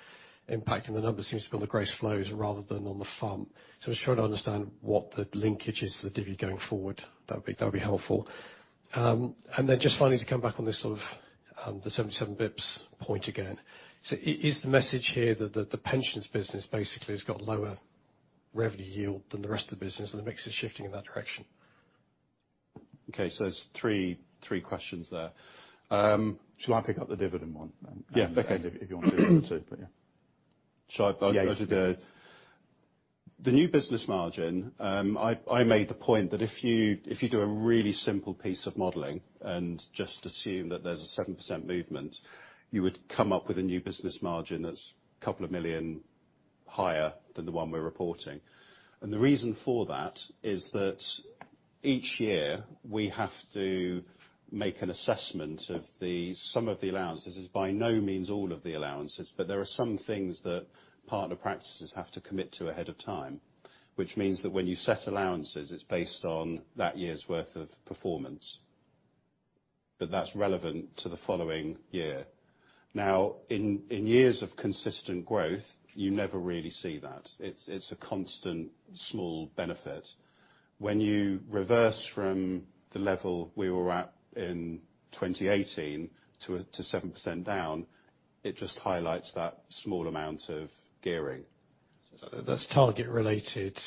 impacting the numbers seems to be on the gross flows rather than on the FUM. I'm just trying to understand what the linkage is for the divvy going forward. That'd be helpful. Just finally to come back on this sort of the 77 basis points point again. Is the message here that the pensions business basically has got lower revenue yield than the rest of the business and the mix is shifting in that direction? Okay. There's three questions there. Shall I pick up the dividend one? Yeah. Okay. If you want to [do the other two], but yeah. Yeah, you do that. The new business margin. I made the point that if you do a really simple piece of modeling and just assume that there's a 7% movement, you would come up with a new business margin that's GBP a couple of million higher than the one we're reporting. The reason for that is that each year we have to make an assessment of the sum of the allowances. It's by no means all of the allowances, but there are some things that partner practices have to commit to ahead of time. Which means that when you set allowances, it's based on that year's worth of performance. That's relevant to the following year. In years of consistent growth, you never really see that. It's a constant small benefit. When you reverse from the level we were at in 2018 to 7% down, it just highlights that small amount of gearing. That's target related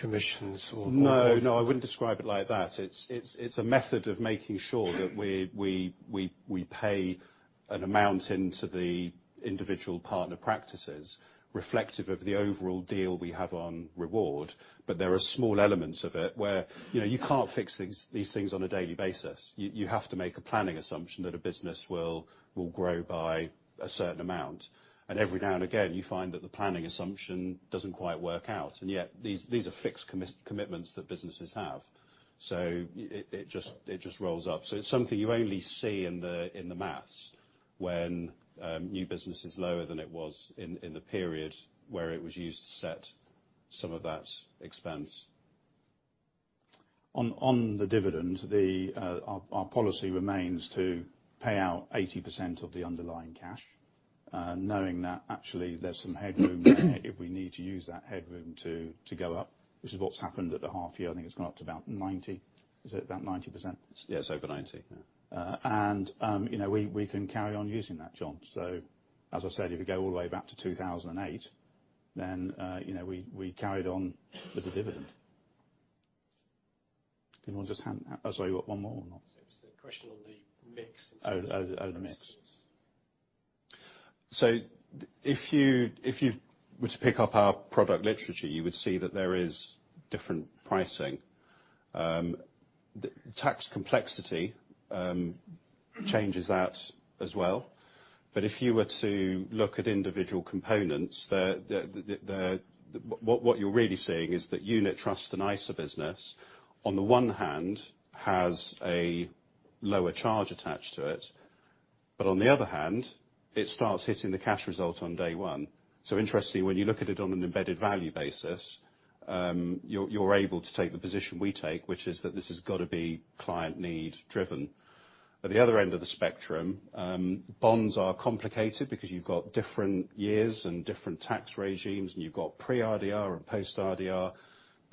commissions or [rewards]? No, I wouldn't describe it like that. It's a method of making sure that we pay an amount into the individual partner practices reflective of the overall deal we have on reward. There are small elements of it where you can't fix these things on a daily basis. You have to make a planning assumption that a business will grow by a certain amount. Every now and again, you find that the planning assumption doesn't quite work out, and yet these are fixed commitments that businesses have. It just rolls up. It's something you only see in the math when new business is lower than it was in the period where it was used to set some of that expense. On the dividend, our policy remains to pay out 80% of the underlying cash. Knowing that actually there's some headroom there if we need to use that headroom to go up. This is what's happened at the half year. I think it's gone up to about 90%. Is it about 90%? Yeah, it's over 90%. We can carry on using that, Jon. As I said, if you go all the way back to 2008, then we carried on with the dividend. Sorry, you got one more or not? It was the question on the mix. The mix. If you were to pick up our product literature, you would see that there is different pricing. Tax complexity changes that as well. If you were to look at individual components, what you're really seeing is that unit trust and ISA business, on the one hand, has a lower charge attached to it, but on the other hand, it starts hitting the cash result on day one. Interestingly, when you look at it on an embedded value basis, you're able to take the position we take, which is that this has got to be client need driven. At the other end of the spectrum, bonds are complicated because you've got different years and different tax regimes, and you've got pre-RDR and post-RDR.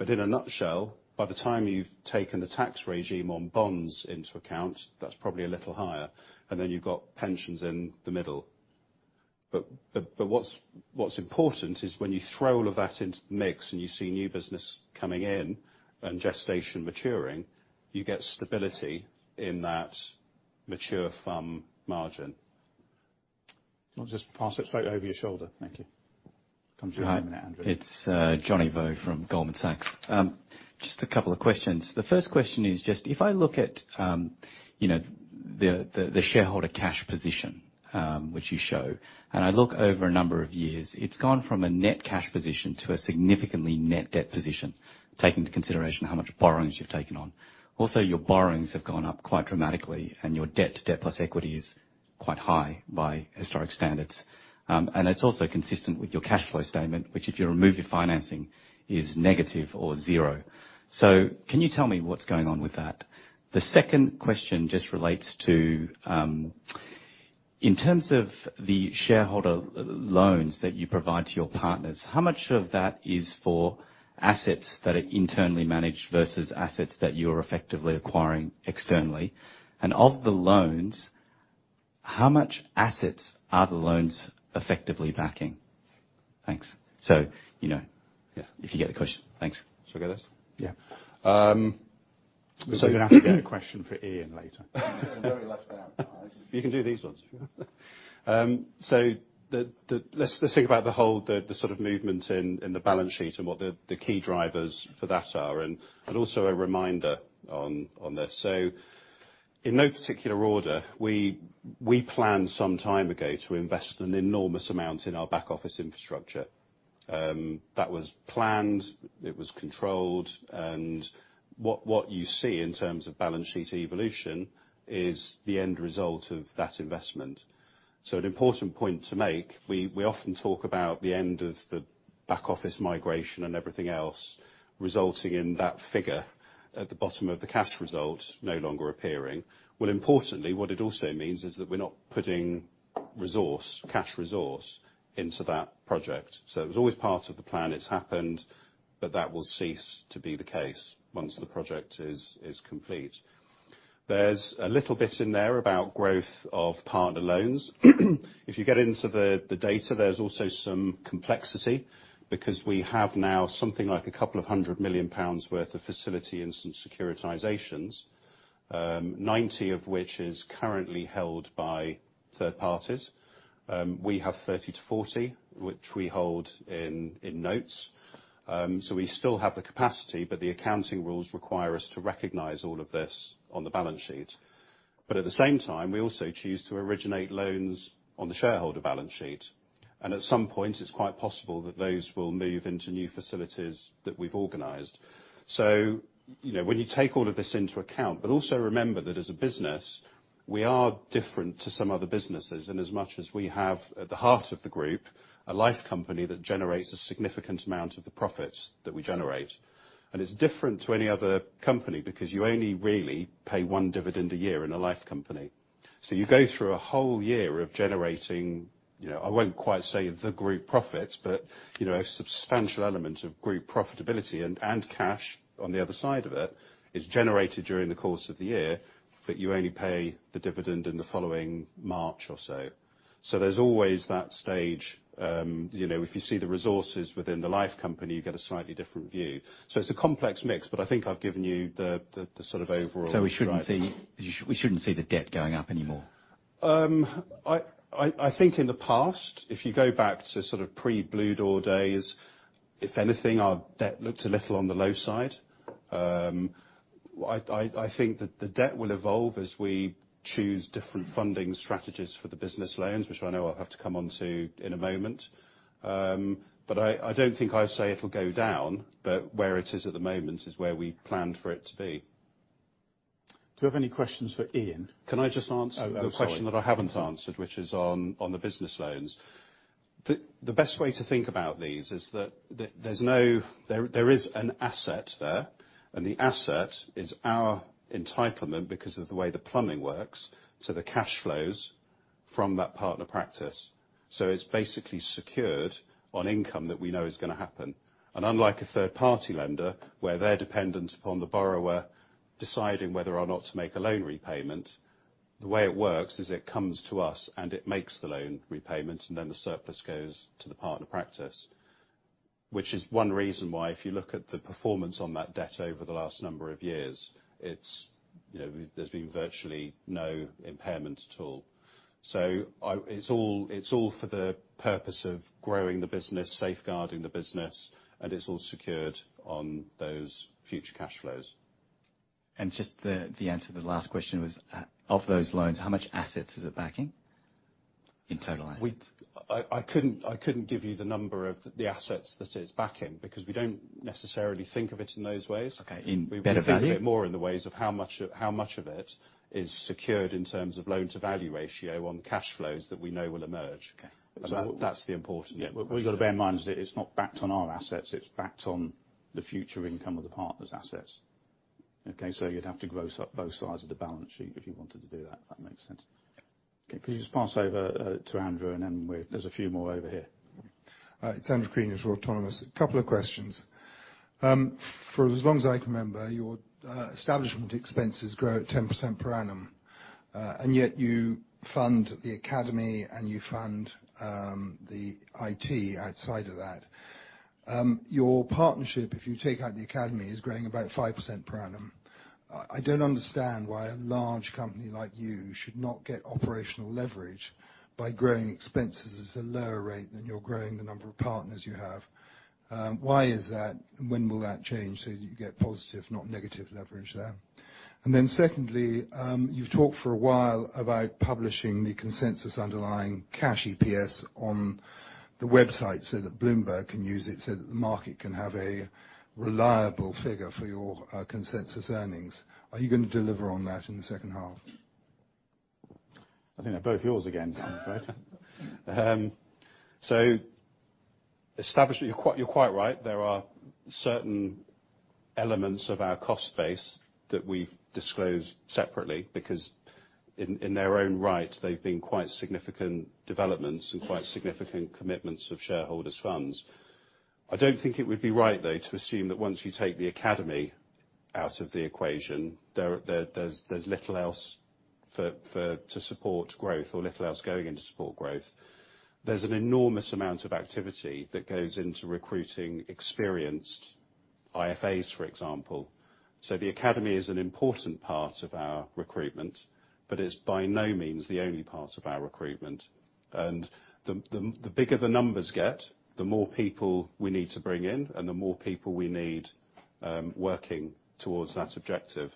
In a nutshell, by the time you've taken the tax regime on bonds into account, that's probably a little higher. Then you've got pensions in the middle. What's important is when you throw all of that into the mix and you see new business coming in and gestation maturing, you get stability in that mature firm margin. I'll just pass it straight over your shoulder. Thank you. Come to you [in a minute], Andrew. Hi. It's Johnny Vo from Goldman Sachs. Just a couple of questions. The first question is just, if I look at the shareholder cash position, which you show, and I look over a number of years, it's gone from a net cash position to a significantly net debt position, taking into consideration how much borrowings you've taken on. Your borrowings have gone up quite dramatically and your debt to debt plus equity is quite high by historic standards. It's also consistent with your cash flow statement, which if you remove your financing, is negative or zero. Can you tell me what's going on with that? The second question just relates to, in terms of the shareholder loans that you provide to your partners, how much of that is for assets that are internally managed versus assets that you're effectively acquiring externally? Of the loans, how much assets are the loans effectively backing? Thanks. If you get the question. Thanks. Shall we get those? Yeah. You're going to have to get a question for Ian later. [I'm very down]. You can do these ones if you want. Let's think about the whole, the sort of movements in the balance sheet and what the key drivers for that are, and also a reminder on this. In no particular order, we planned some time ago to invest an enormous amount in our back office infrastructure. That was planned, it was controlled, and what you see in terms of balance sheet evolution is the end result of that investment. An important point to make, we often talk about the end of the back office migration and everything else resulting in that figure at the bottom of the cash result no longer appearing. Well, importantly, what it also means is that we're not putting resource, cash resource, into that project. It was always part of the plan, it's happened, but that will cease to be the case once the project is complete. There's a little bit in there about growth of partner loans. If you get into the data, there's also some complexity because we have now something like 100 million pounds worth of facility in some securitizations, 90 of which is currently held by third parties. We have 30-40, which we hold in notes. We still have the capacity, but the accounting rules require us to recognize all of this on the balance sheet. At the same time, we also choose to originate loans on the shareholder balance sheet. At some point, it's quite possible that those will move into new facilities that we've organized. When you take all of this into account, but also remember that as a business, we are different to some other businesses in as much as we have, at the heart of the group, a life company that generates a significant amount of the profits that we generate. It's different to any other company because you only really pay one dividend a year in a life company. You go through a whole year of generating, I won't quite say the group profits, but a substantial element of group profitability and cash on the other side of it is generated during the course of the year, but you only pay the dividend in the following March or so. There's always that stage, if you see the resources within the life company, you get a slightly different view. It's a complex mix, but I think I've given you the sort of overall. We shouldn't see the debt going up anymore? I think in the past, if you go back to sort of pre-Bluedoor days, if anything, our debt looked a little on the low side. I think that the debt will evolve as we choose different funding strategies for the business loans, which I know I'll have to come onto in a moment. I don't think I'd say it'll go down, but where it is at the moment is where we planned for it to be. Do we have any questions for Ian? Can I just answer the question that I haven't answered, which is on the business loans. The best way to think about these is that there is an asset there, and the asset is our entitlement because of the way the plumbing works. The cash flows from that partner practice. It's basically secured on income that we know is going to happen. Unlike a third-party lender, where they're dependent upon the borrower deciding whether or not to make a loan repayment, the way it works is it comes to us and it makes the loan repayment, and then the surplus goes to the partner practice. Which is one reason why, if you look at the performance on that debt over the last number of years, there's been virtually no impairment at all. It's all for the purpose of growing the business, safeguarding the business, and it's all secured on those future cash flows. Just the answer to the last question was, of those loans, how much assets is it backing in total assets? I couldn't give you the number of the assets that it's backing because we don't necessarily think of it in those ways. Okay. In better value? We think of it more in the ways of how much of it is secured in terms of loan-to-value ratio on cash flows that we know will emerge. Okay. That's the important bit. What we've got to bear in mind is that it's not backed on our assets, it's backed on the future income of the partner's assets. Okay? You'd have to gross up both sides of the balance sheet if you wanted to do that, if that makes sense. Okay. Could you just pass over to Andrew, and then there's a few more over here. It's Andrew Crean for Autonomous. A couple of questions. For as long as I can remember, your establishment expenses grow at 10% per annum. Yet you fund the Academy and you fund the IT outside of that. Your partnership, if you take out the Academy, is growing about 5% per annum. I don't understand why a large company like you should not get operational leverage by growing expenses at a lower rate than you're growing the number of partners you have. Why is that, when will that change so that you get positive, not negative leverage there? Secondly, you've talked for a while about publishing the consensus underlying cash EPS on the website so that Bloomberg can use it, so that the market can have a reliable figure for your consensus earnings. Are you going to deliver on that in the second half? I think they're both yours again, Craig. Establishment, you're quite right. There are certain elements of our cost base that we've disclosed separately, because in their own right, they've been quite significant developments and quite significant commitments of shareholders' funds. I don't think it would be right, though, to assume that once you take the Academy out of the equation, there's little else to support growth or little else going in to support growth. There's an enormous amount of activity that goes into recruiting experienced IFAs, for example. The Academy is an important part of our recruitment. It's by no means the only part of our recruitment. The bigger the numbers get, the more people we need to bring in and the more people we need working towards that objective.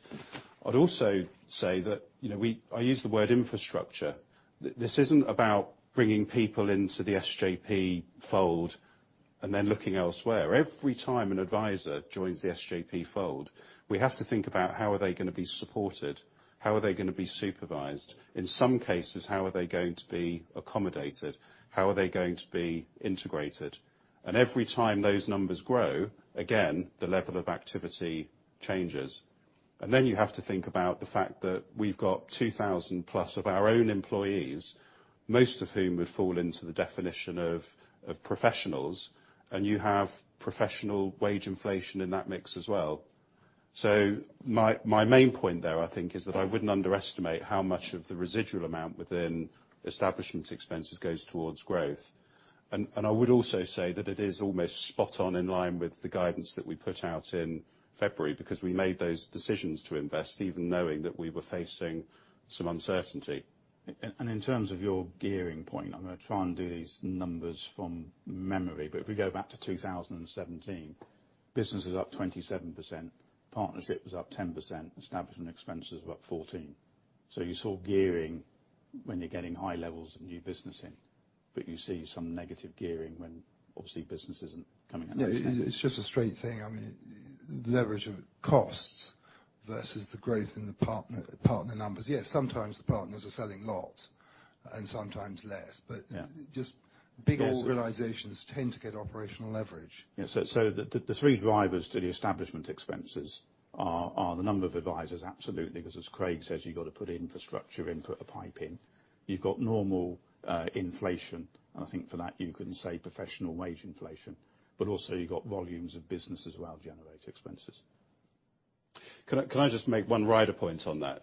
I'd also say that, I use the word infrastructure. This isn't about bringing people into the SJP fold and then looking elsewhere. Every time an adviser joins the SJP fold, we have to think about how are they going to be supported, how are they going to be supervised? In some cases, how are they going to be accommodated? How are they going to be integrated? Every time those numbers grow, again, the level of activity changes. Then you have to think about the fact that we've got 2,000 plus of our own employees, most of whom would fall into the definition of professionals, and you have professional wage inflation in that mix as well. My main point there, I think, is that I wouldn't underestimate how much of the residual amount within establishment expenses goes towards growth. I would also say that it is almost spot on in line with the guidance that we put out in February, because we made those decisions to invest even knowing that we were facing some uncertainty. In terms of your gearing point, I'm going to try and do these numbers from memory. If we go back to 2017, business was up 27%, partnership was up 10%, establishment expenses were up 14%. You saw gearing when you're getting high levels of new business in. You see some negative gearing when, obviously, business isn't coming in as much. It's just a straight thing. I mean, leverage of costs versus the growth in the partner numbers. Yes, sometimes the partners are selling lots and sometimes less. Yeah. But just bigger. Yes. Organizations tend to get operational leverage. The three drivers to the establishment expenses are the number of advisers, absolutely, because as Craig says, you got to put infrastructure input, the pipe in. You've got normal inflation. I think for that, you can say professional wage inflation. Also, you've got volumes of business as well generate expenses. Can I just make one rider point on that?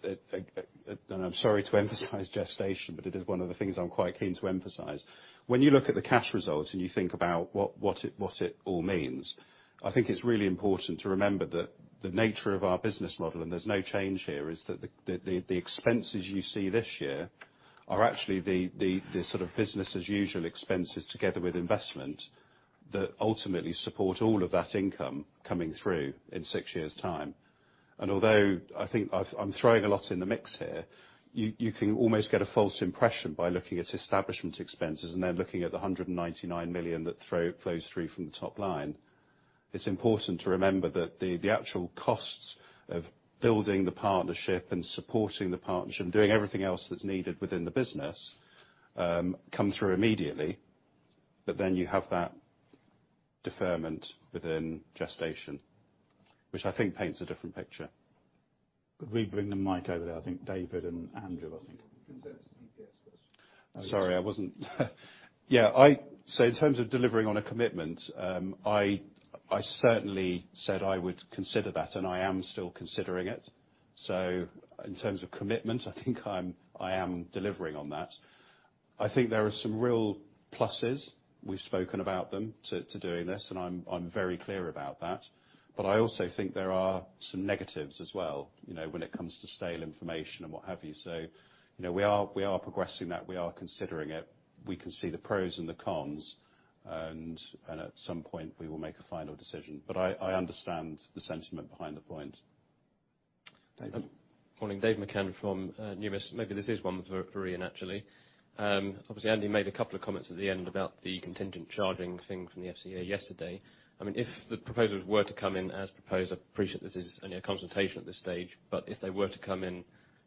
I'm sorry to emphasize gestation, but it is one of the things I'm quite keen to emphasize. When you look at the cash results and you think about what it all means, I think it's really important to remember that the nature of our business model, and there's no change here, is that the expenses you see this year are actually the sort of business as usual expenses together with investment that ultimately support all of that income coming through in six years' time. Although I think I'm throwing a lot in the mix here, you can almost get a false impression by looking at establishment expenses and then looking at the 199 million that flows through from the top line. It's important to remember that the actual costs of building the partnership and supporting the partnership, doing everything else that's needed within the business, come through immediately. You have that deferment within gestation, which I think paints a different picture. Could we bring the mic over there? I think David and Andrew, I think. In terms of delivering on a commitment, I certainly said I would consider that, and I am still considering it. In terms of commitment, I think I am delivering on that. I think there are some real pluses, we've spoken about them, to doing this, and I am very clear about that. I also think there are some negatives as well, when it comes to stale information and what have you. We are progressing that. We are considering it. We can see the pros and the cons. At some point, we will make a final decision. I understand the sentiment behind the point. David. Morning, Dave McCann from Numis. Maybe this is one for Ian, actually. Obviously, Andy made a couple of comments at the end about the contingent charging thing from the FCA yesterday. If the proposals were to come in as proposed, I appreciate this is only a consultation at this stage, but if they were to come in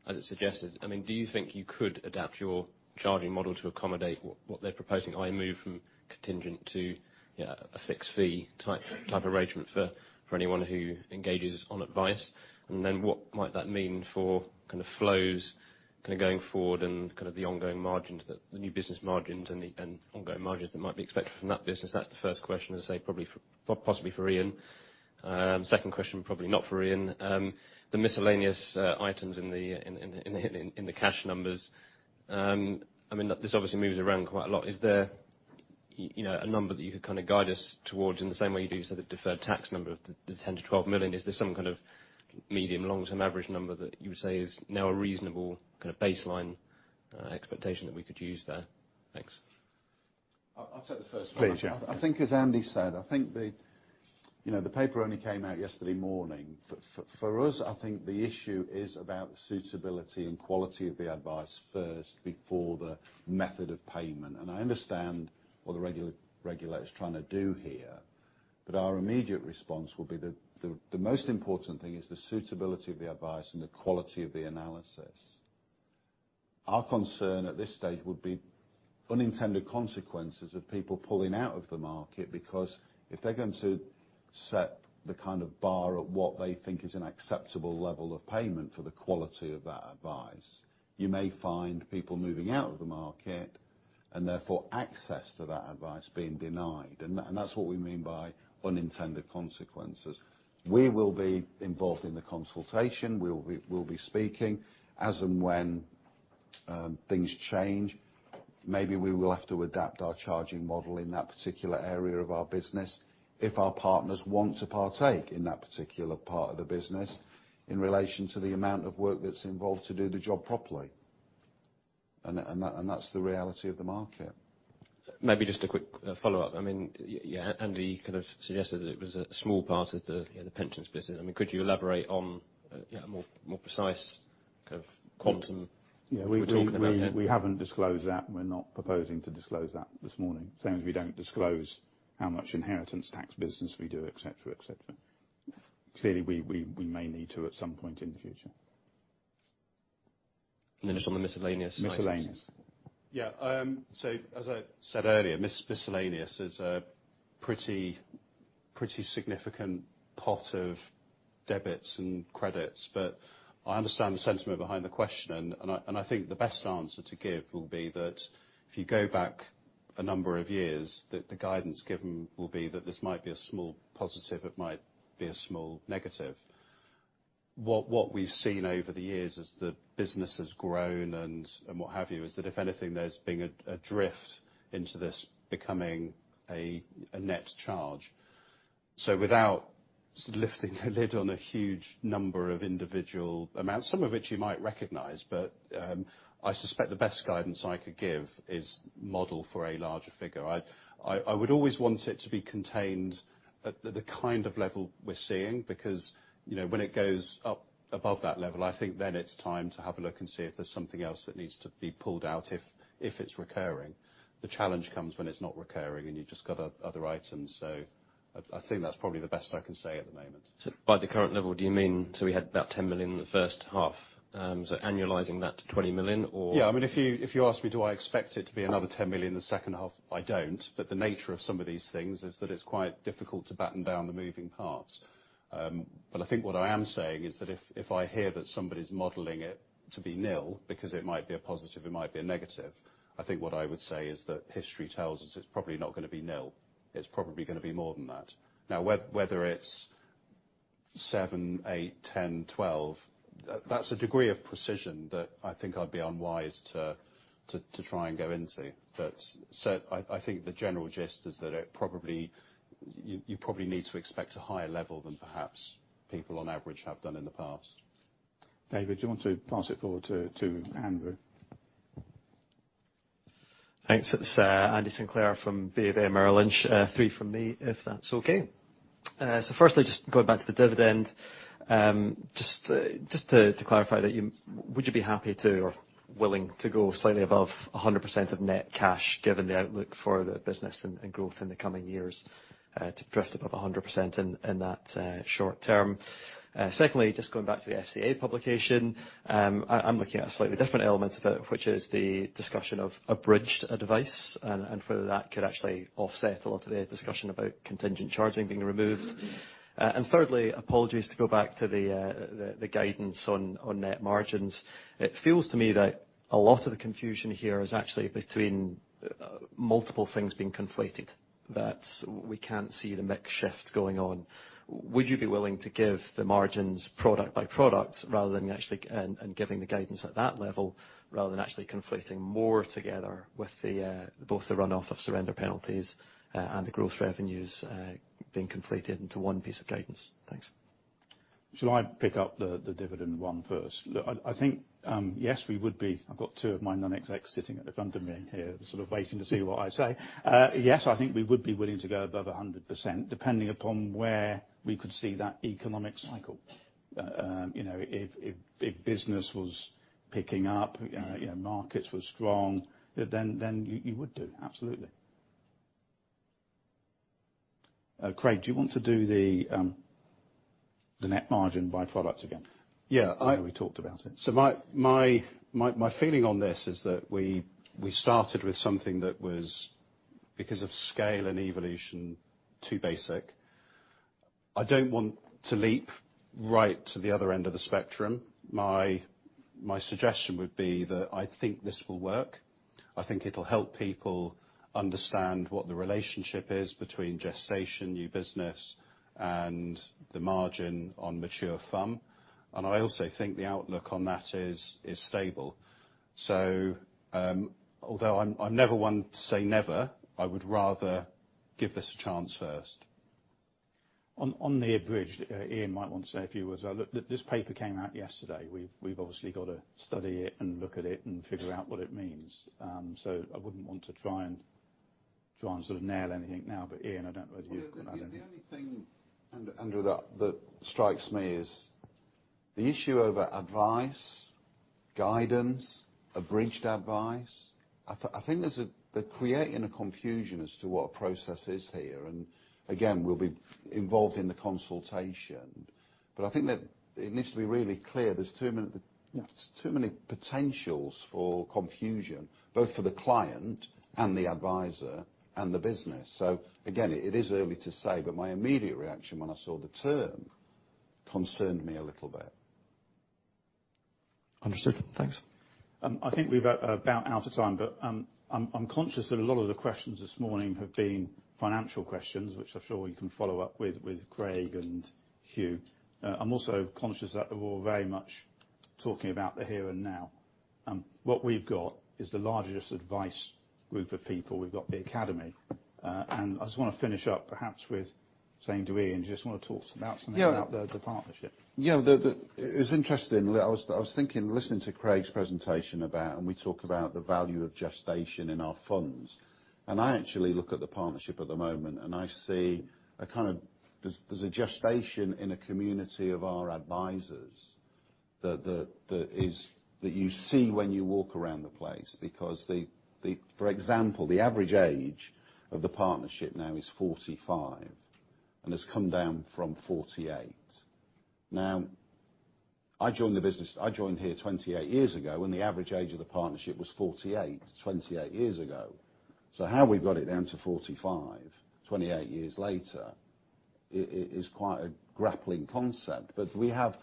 as it suggested, do you think you could adapt your charging model to accommodate what they're proposing, i.e., move from contingent to a fixed fee type arrangement for anyone who engages on advice? What might that mean for flows going forward and the new business margins and ongoing margins that might be expected from that business? That's the first question, as I say, probably, possibly for Ian. Second question, probably not for Ian. The miscellaneous items in the cash numbers, I mean, this obviously moves around quite a lot. Is there a number that you could kind of guide us towards in the same way you do the deferred tax number of the 10 million-12 million? Is there some kind of medium, long-term average number that you would say is now a reasonable kind of baseline expectation that we could use there? Thanks. I'll take the first one. Please, yeah. I think as Andy said, I think the paper only came out yesterday morning. For us, I think the issue is about suitability and quality of the advice first before the method of payment. I understand what the regulator's trying to do here, but our immediate response will be that the most important thing is the suitability of the advice and the quality of the analysis. Our concern at this stage would be unintended consequences of people pulling out of the market, because if they're going to set the kind of bar at what they think is an acceptable level of payment for the quality of that advice, you may find people moving out of the market, and therefore access to that advice being denied. That's what we mean by unintended consequences. We will be involved in the consultation. We'll be speaking as and when, things change. Maybe we will have to adapt our charging model in that particular area of our business if our partners want to partake in that particular part of the business in relation to the amount of work that's involved to do the job properly. That's the reality of the market. Maybe just a quick follow-up. I mean, yeah, Andy kind of suggested that it was a small part of the pensions business. I mean, could you elaborate on a more precise kind of quantum we're talking about here? Yeah. We haven't disclosed that, and we're not proposing to disclose that this morning, same as we don't disclose how much inheritance tax business we do, et cetera. Clearly, we may need to at some point in the future. Just on the miscellaneous item. Miscellaneous. Yeah. As I said earlier, miscellaneous is a pretty significant pot of debits and credits. I understand the sentiment behind the question, and I think the best answer to give will be that if you go back a number of years, that the guidance given will be that this might be a small positive, it might be a small negative. What we've seen over the years as the business has grown and what have you, is that if anything, there's been a drift into this becoming a net charge. Without lifting the lid on a huge number of individual amounts, some of which you might recognize. I suspect the best guidance I could give is model for a larger figure. I would always want it to be contained at the kind of level we're seeing, because when it goes up above that level, I think then it's time to have a look and see if there's something else that needs to be pulled out if it's recurring. The challenge comes when it's not recurring, and you've just got other items. I think that's probably the best I can say at the moment. By the current level, do you mean, so we had about 10 million in the first half, so annualizing that to 20 million or? Yeah. I mean, if you ask me do I expect it to be another 10 million in the second half, I don't. The nature of some of these things is that it's quite difficult to batten down the moving parts. But I think what I am saying is that if I hear that somebody's modeling it to be nil, because it might be a positive, it might be a negative, I think what I would say is that history tells us it's probably not going to be nil. It's probably going to be more than that. Now, whether it's seven, eight, 10, 12, that's a degree of precision that I think I'd be unwise to try and go into. I think the general gist is that you probably need to expect a higher level than perhaps people on average have done in the past. David, do you want to pass it forward to Andrew? Thanks. It's Andy Sinclair from BofA Merrill Lynch. Three from me, if that's okay. Firstly, just going back to the dividend, just to clarify that, would you be happy to or willing to go slightly above 100% of net cash given the outlook for the business and growth in the coming years, to drift above 100% in that short term? Secondly, just going back to the FCA publication, I'm looking at a slightly different element of it, which is the discussion of abridged advice and whether that could actually offset a lot of the discussion about contingent charging being removed. Thirdly, apologies to go back to the guidance on net margins. It feels to me that a lot of the confusion here is actually between multiple things being conflated, that we can't see the mix shift going on. Would you be willing to give the margins product by product and giving the guidance at that level rather than actually conflating more together with both the runoff of surrender penalties, and the growth revenues, being conflated into one piece of guidance? Thanks. Shall I pick up the dividend one first? Look, I think, yes, we would be. I've got two of my non-execs sitting at the front of me here sort of waiting to see what I say. Yes, I think we would be willing to go above 100%, depending upon where we could see that economic cycle. If business was picking up, markets were strong, you would do, absolutely. Craig, do you want to do the net margin by products again? Yeah. I know we talked about it. My feeling on this is that we started with something that was, because of scale and evolution, too basic. I don't want to leap right to the other end of the spectrum. My suggestion would be that I think this will work. I think it'll help people understand what the relationship is between gestation, new business, and the margin on mature FUM. I also think the outlook on that is stable. Although I'm never one to say never, I would rather give this a chance first. On the abridged, Ian might want to say a few words. This paper came out yesterday. We've obviously got to study it and look at it and figure out what it means. I wouldn't want to try and nail anything now. Ian, I don't know whether you. The only thing, Andrew, that strikes me is the issue over advice, guidance, abridged advice. I think they're creating a confusion as to what process is here, and again, we'll be involved in the consultation. I think that it needs to be really clear. Yeah. Too many potentials for confusion, both for the client and the adviser and the business. Again, it is early to say, but my immediate reaction when I saw the term concerned me a little bit. Understood. Thanks. I think we've about out of time, but I'm conscious that a lot of the questions this morning have been financial questions, which I'm sure we can follow up with Craig and Hugh. I'm also conscious that we're all very much talking about the here and now. What we've got is the largest advice group of people. We've got the Academy. I just want to finish up perhaps with saying to Ian, do you just want to talk to them about. Yeah. The partnership? Yeah. It was interesting. I was thinking, listening to Craig's presentation about, we talk about the value of gestation in our funds. I actually look at the partnership at the moment, and I see there's a gestation in a community of our advisers that you see when you walk around the place. For example, the average age of the partnership now is 45 and has come down from 48. I joined the business, I joined here 28 years ago, when the average age of the partnership was 48, 28 years ago. How we got it down to 45, 28 years later is quite a grappling concept. We have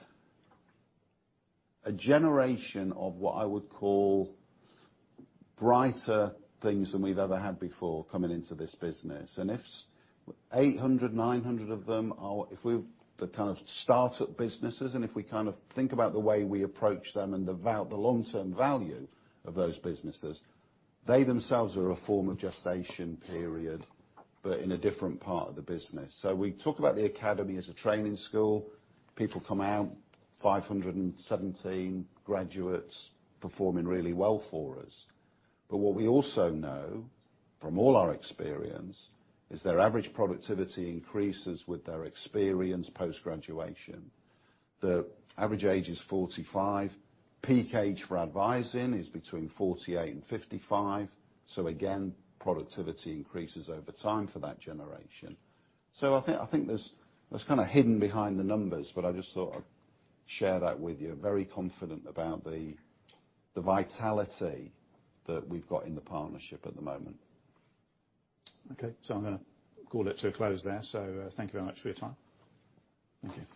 a generation of what I would call brighter things than we've ever had before coming into this business. If 800, 900 of them are the kind of startup businesses, if we think about the way we approach them and the long-term value of those businesses, they themselves are a form of gestation period, but in a different part of the business. We talk about the Academy as a training school. People come out, 517 graduates performing really well for us. What we also know from all our experience is their average productivity increases with their experience post-graduation. The average age is 45. Peak age for advising is between 48 and 55. Again, productivity increases over time for that generation. I think that's kind of hidden behind the numbers, but I just thought I'd share that with you. Very confident about the vitality that we've got in the partnership at the moment. Okay. I'm going to call it to a close there. Thank you very much for your time. Thank you.